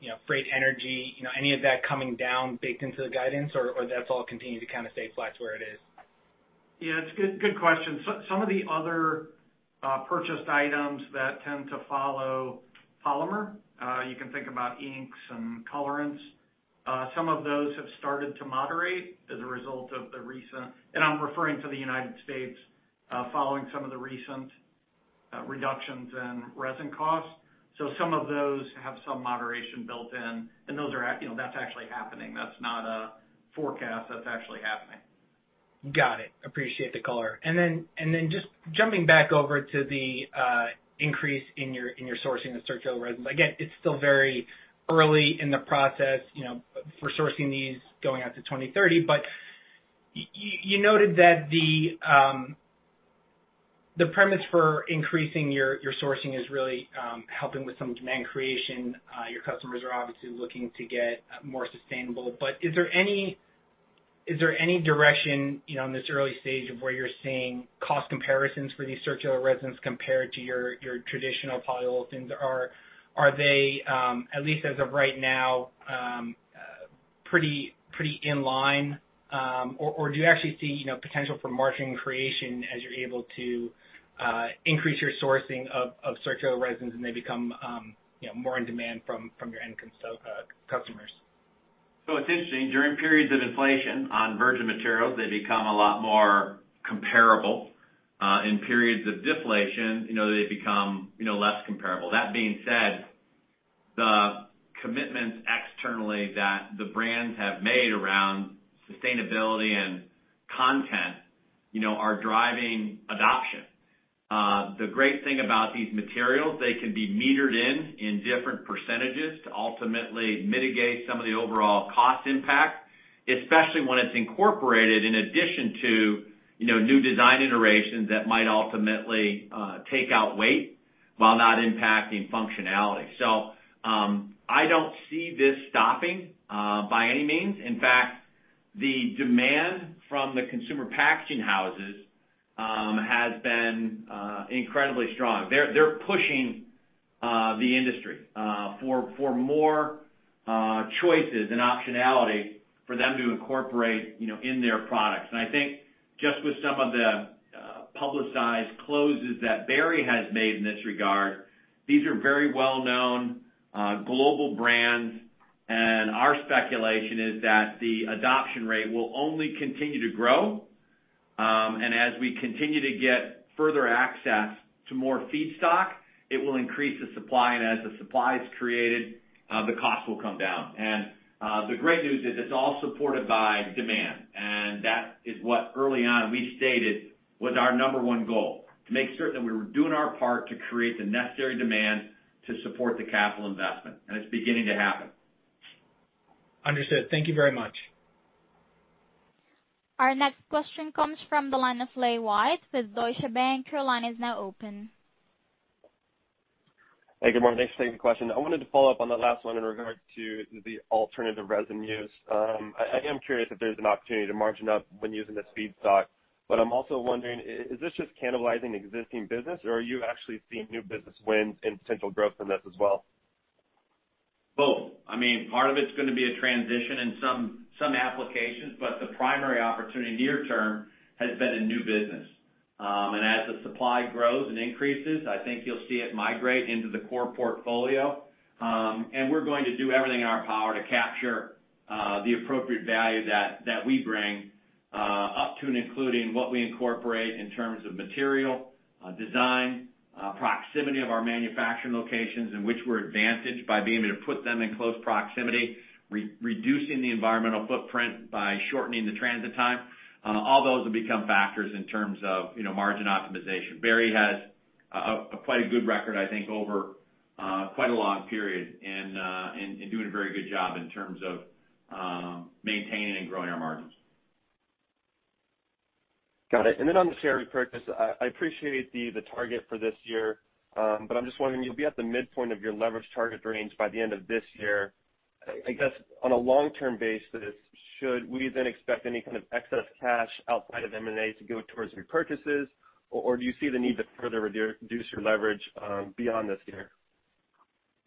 you know, freight, energy, you know, any of that coming down baked into the guidance, or that's all continuing to kind of stay flat to where it is? Yeah, it's a good question. Some of the other purchased items that tend to follow polymer, you can think about inks and colorants. Some of those have started to moderate as a result of the recent. I'm referring to the United States following some of the recent reductions in resin costs. Some of those have some moderation built in, and those, you know, that's actually happening. That's not a forecast. That's actually happening. Got it. Appreciate the color. Just jumping back over to the increase in your sourcing of circular resins. Again, it's still very early in the process, you know, for sourcing these going out to 2030. You noted that the premise for increasing your sourcing is really helping with some demand creation. Your customers are obviously looking to get more sustainable. Is there any direction, you know, in this early stage of where you're seeing cost comparisons for these circular resins compared to your traditional polyolefins? Or are they, at least as of right now, pretty in line? Do you actually see, you know, potential for margin creation as you're able to increase your sourcing of circular resins and they become, you know, more in demand from your end customers? It's interesting. During periods of inflation on virgin materials, they become a lot more comparable. In periods of deflation, you know, they become, you know, less comparable. That being said, the commitments externally that the brands have made around sustainability and content, you know, are driving adoption. The great thing about these materials, they can be metered in different percentages to ultimately mitigate some of the overall cost impact, especially when it's incorporated in addition to, you know, new design iterations that might ultimately take out weight while not impacting functionality. I don't see this stopping by any means. In fact, the demand from the consumer packaging houses has been incredibly strong. They're pushing the industry for more choices and optionality for them to incorporate, you know, in their products. I think just with some of the publicized closes that Berry has made in this regard, these are very well-known global brands, and our speculation is that the adoption rate will only continue to grow. As we continue to get further access to more feedstock, it will increase the supply, and as the supply is created, the cost will come down. The great news is it's all supported by demand, and that is what early on we stated was our number one goal, to make certain we were doing our part to create the necessary demand to support the capital investment, and it's beginning to happen. Understood. Thank you very much. Our next question comes from the line of Kyle White with Deutsche Bank. Your line is now open. Hey, good morning. Thanks for taking the question. I wanted to follow up on that last one in regard to the alternative resin use. I am curious if there's an opportunity to margin up when using this feedstock, but I'm also wondering, is this just cannibalizing existing business, or are you actually seeing new business wins and potential growth in this as well? Both. I mean, part of it's gonna be a transition in some applications, but the primary opportunity near term has been in new business. As the supply grows and increases, I think you'll see it migrate into the core portfolio. We're going to do everything in our power to capture the appropriate value that we bring up to and including what we incorporate in terms of material design proximity of our manufacturing locations in which we're advantaged by being able to put them in close proximity, reducing the environmental footprint by shortening the transit time. All those will become factors in terms of, you know, margin optimization. Berry has quite a good record, I think, over quite a long period in doing a very good job in terms of maintaining and growing our margins. Got it. On the share repurchase, I appreciate the target for this year, but I'm just wondering, you'll be at the midpoint of your leverage target range by the end of this year. I guess on a long-term basis, should we then expect any kind of excess cash outside of M&A to go towards repurchases, or do you see the need to further reduce your leverage beyond this year?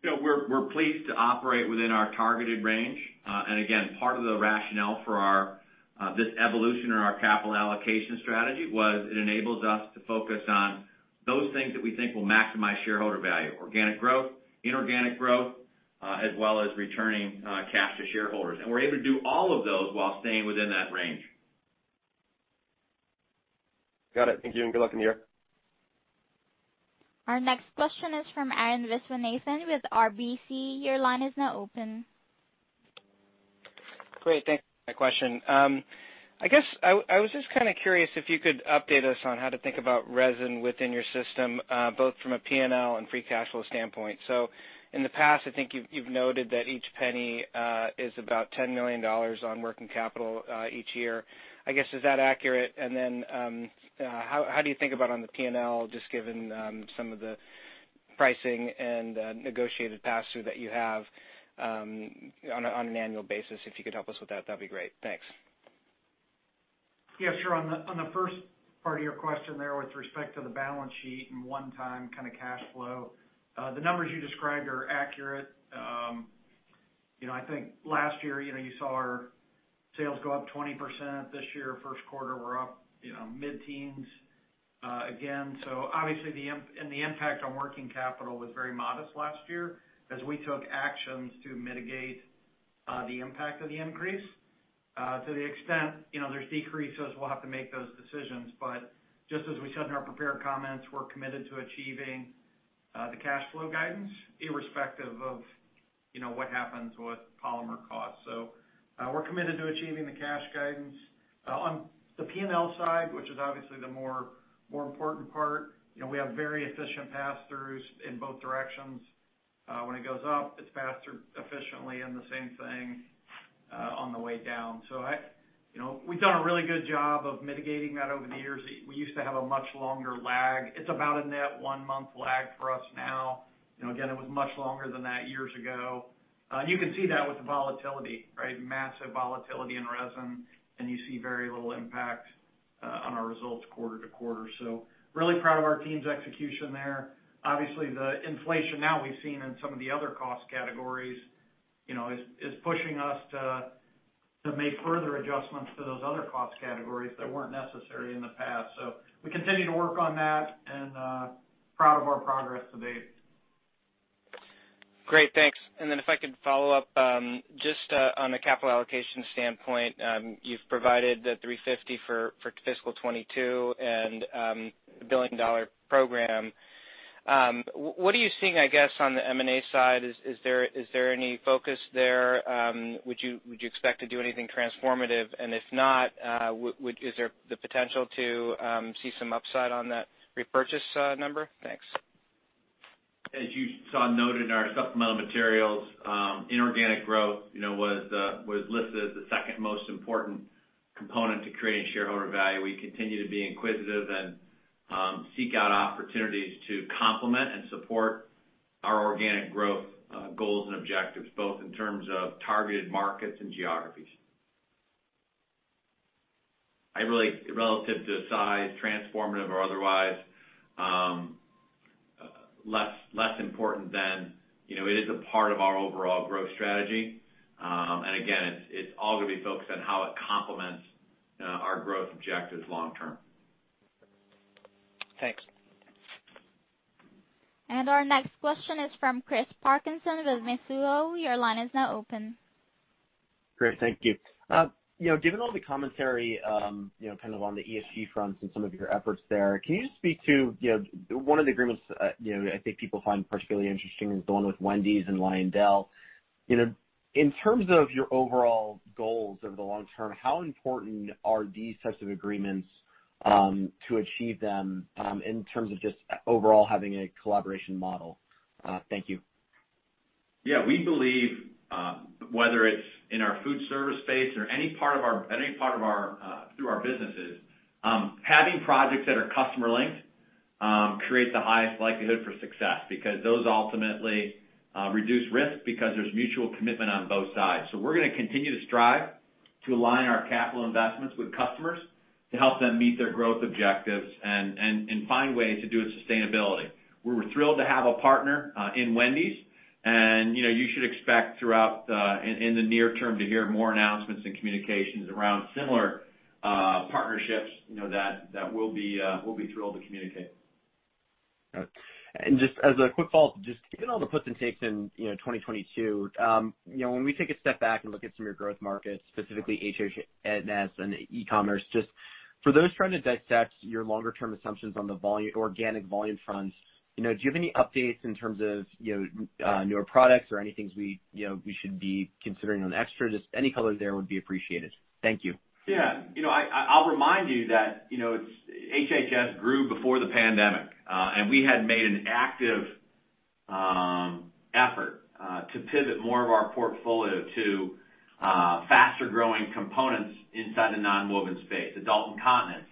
You know, we're pleased to operate within our targeted range. Again, part of the rationale for our this evolution in our capital allocation strategy was it enables us to focus on those things that we think will maximize shareholder value, organic growth, inorganic growth, as well as returning cash to shareholders. We're able to do all of those while staying within that range. Got it. Thank you, and good luck in the year. Our next question is from Arun Viswanathan with RBC. Your line is now open. Great. Thanks for taking my question. I guess I was just kind of curious if you could update us on how to think about resin within your system, both from a P&L and free cash flow standpoint. In the past, I think you've noted that each penny is about $10 million on working capital each year. I guess, is that accurate? How do you think about on the P&L, just given some of the... Pricing and negotiated pass-through that you have on an annual basis. If you could help us with that'd be great. Thanks. Yeah, sure. On the first part of your question there with respect to the balance sheet and one-time kinda cash flow, the numbers you described are accurate. You know, I think last year, you know, you saw our sales go up 20%. This year, first quarter we're up, you know, mid-teens, again. Obviously the impact on working capital was very modest last year as we took actions to mitigate the impact of the increase. To the extent, you know, there's decreases, we'll have to make those decisions. Just as we said in our prepared comments, we're committed to achieving the cash flow guidance irrespective of, you know, what happens with polymer costs. We're committed to achieving the cash guidance. On the P&L side, which is obviously the more important part, you know, we have very efficient pass-throughs in both directions. When it goes up, it's passed through efficiently, and the same thing on the way down. You know, we've done a really good job of mitigating that over the years. We used to have a much longer lag. It's about a net one-month lag for us now. You know, again, it was much longer than that years ago. You can see that with the volatility, right? Massive volatility in resin, and you see very little impact on our results quarter to quarter. Really proud of our team's execution there. Obviously, the inflation now we've seen in some of the other cost categories, you know, is pushing us to make further adjustments to those other cost categories that weren't necessary in the past. We continue to work on that and proud of our progress to date. Great. Thanks. If I could follow up just on the capital allocation standpoint, you've provided the $350 million for fiscal 2022 and the $1 billion program. What are you seeing, I guess, on the M&A side? Is there any focus there? Would you expect to do anything transformative? If not, is there the potential to see some upside on that repurchase number? Thanks. As you saw noted in our supplemental materials, inorganic growth, you know, was listed as the second most important component to creating shareholder value. We continue to be inquisitive and seek out opportunities to complement and support our organic growth goals and objectives, both in terms of targeted markets and geographies. Relative to size, transformative or otherwise, less important. You know, it is a part of our overall growth strategy. Again, it's all gonna be focused on how it complements our growth objectives long term. Thanks. Our next question is from Chris Parkinson of Mizuho. Your line is now open. Great, thank you. You know, given all the commentary, you know, kind of on the ESG front and some of your efforts there, can you just speak to, you know, one of the agreements, you know, I think people find particularly interesting is the one with Wendy's and LyondellBasell. You know, in terms of your overall goals over the long term, how important are these types of agreements to achieve them, in terms of just overall having a collaboration model? Thank you. Yeah, we believe whether it's in our food service space or any part of our through our businesses having projects that are customer linked creates the highest likelihood for success, because those ultimately reduce risk because there's mutual commitment on both sides. We're gonna continue to strive to align our capital investments with customers to help them meet their growth objectives and find ways to do it sustainably. We're thrilled to have a partner in Wendy's, and you know, you should expect throughout in the near term to hear more announcements and communications around similar partnerships you know that we'll be thrilled to communicate. Got it. Just as a quick follow-up, just given all the puts and takes in, you know, 2022, you know, when we take a step back and look at some of your growth markets, specifically HH&S and e-commerce, just for those trying to dissect your longer-term assumptions on the volume, organic volume fronts, you know, do you have any updates in terms of, you know, newer products or anything we, you know, we should be considering on the extras? Just any color there would be appreciated. Thank you. Yeah. You know, I'll remind you that you know, it's HH&S grew before the pandemic, and we had made an active effort to pivot more of our portfolio to faster-growing components inside the nonwoven space, adult incontinence,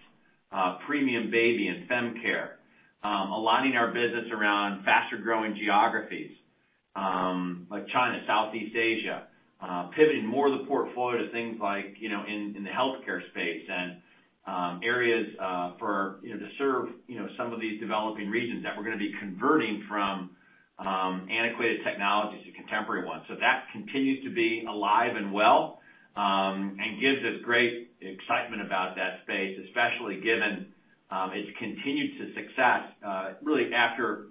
premium baby and fem care, aligning our business around faster-growing geographies like China, Southeast Asia. Pivoting more of the portfolio to things like you know, in the healthcare space and areas for you know, to serve some of these developing regions that we're gonna be converting from antiquated technologies to contemporary ones. That continues to be alive and well and gives us great excitement about that space, especially given its continued success really after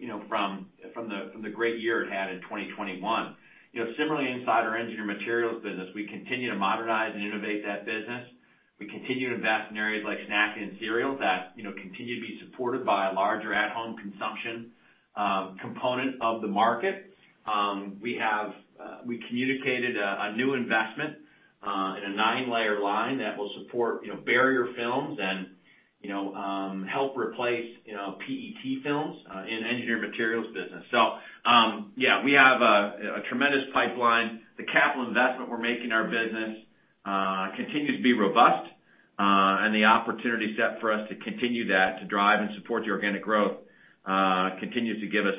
from the great year it had in 2021. You know, similarly inside our Engineered Materials business, we continue to modernize and innovate that business. We continue to invest in areas like snack and cereal that, you know, continue to be supported by a larger at home consumption component of the market. We have communicated a new investment in a nine layer line that will support, you know, barrier films and, you know, help replace, you know, PET films in Engineered Materials business. Yeah, we have a tremendous pipeline. The capital investment we're making in our business continues to be robust. The opportunity set for us to continue that, to drive and support the organic growth continues to give us,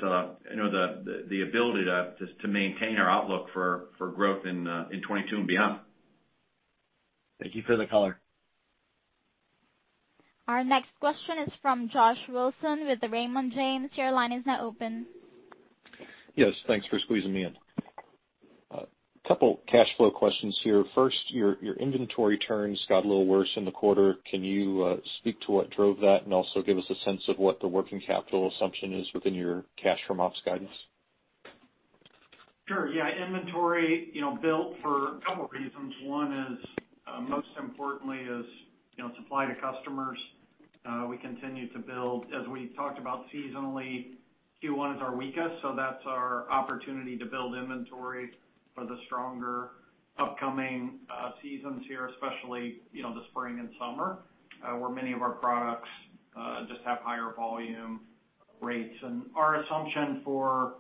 you know, the ability to just to maintain our outlook for growth in 2022 and beyond. Thank you for the color. Our next question is from Josh Wilson with Raymond James. Your line is now open. Yes, thanks for squeezing me in. A couple cash flow questions here. First, your inventory turns got a little worse in the quarter. Can you speak to what drove that and also give us a sense of what the working capital assumption is within your cash from ops guidance? Sure, yeah. Inventory, you know, built for a couple reasons. One is, most importantly is, you know, supply to customers. We continue to build. As we talked about seasonally, Q1 is our weakest, so that's our opportunity to build inventory for the stronger upcoming seasons here, especially, you know, the spring and summer, where many of our products just have higher volume rates. Our assumption for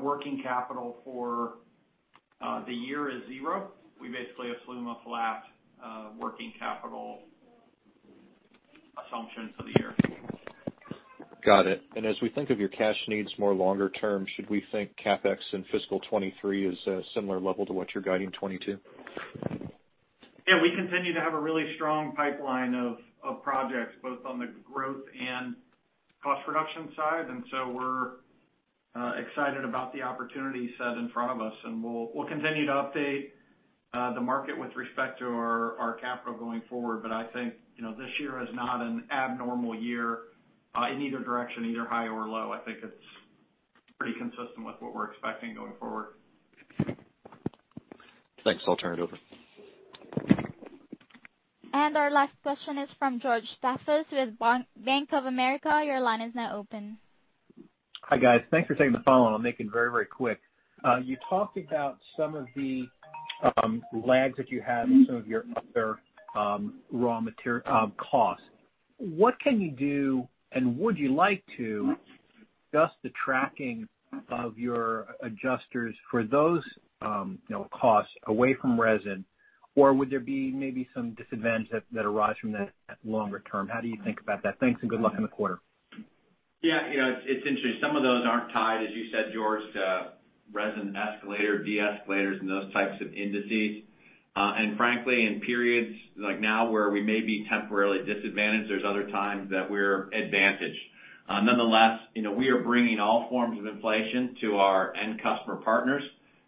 working capital for the year is zero. We basically assume a flat working capital assumption for the year. Got it. As we think of your cash needs more longer term, should we think CapEx in fiscal 2023 is a similar level to what you're guiding 2022? Yeah, we continue to have a really strong pipeline of projects, both on the growth and cost reduction side, and so we're excited about the opportunity set in front of us. We'll continue to update the market with respect to our capital going forward, but I think, you know, this year is not an abnormal year in either direction, either high or low. I think it's pretty consistent with what we're expecting going forward. Thanks. I'll turn it over. Our last question is from George Staphos with Bank of America. Your line is now open. Hi, guys. Thanks for taking the call, and I'll make it very, very quick. You talked about some of the lags that you have in some of your other raw material costs. What can you do, and would you like to use the tracking of your adjustments for those, you know, costs away from resin? Or would there be maybe some disadvantage that arise from that longer term? How do you think about that? Thanks, and good luck on the quarter. Yeah, you know, it's interesting. Some of those aren't tied, as you said, George, to resin escalators, de-escalators and those types of indices. Frankly, in periods like now where we may be temporarily disadvantaged, there's other times that we're advantaged. Nonetheless, you know, we are bringing all forms of inflation to our end customer partners.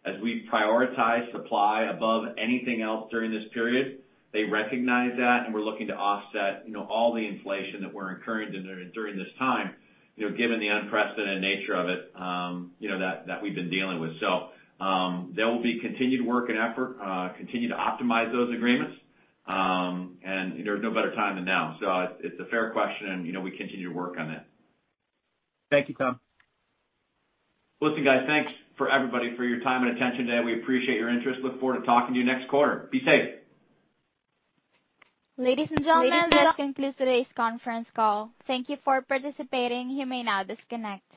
As we prioritize supply above anything else during this period, they recognize that, and we're looking to offset, you know, all the inflation that we're incurring during this time, you know, given the unprecedented nature of it, you know, that we've been dealing with. There will be continued work and effort to continue to optimize those agreements. There's no better time than now. It's a fair question and, you know, we continue to work on it. Thank you, Tom. Listen, guys, thanks for everybody for your time and attention today. We appreciate your interest. Look forward to talking to you next quarter. Be safe. Ladies and gents, that concludes today's conference call. Thank you for participating. You may now disconnect.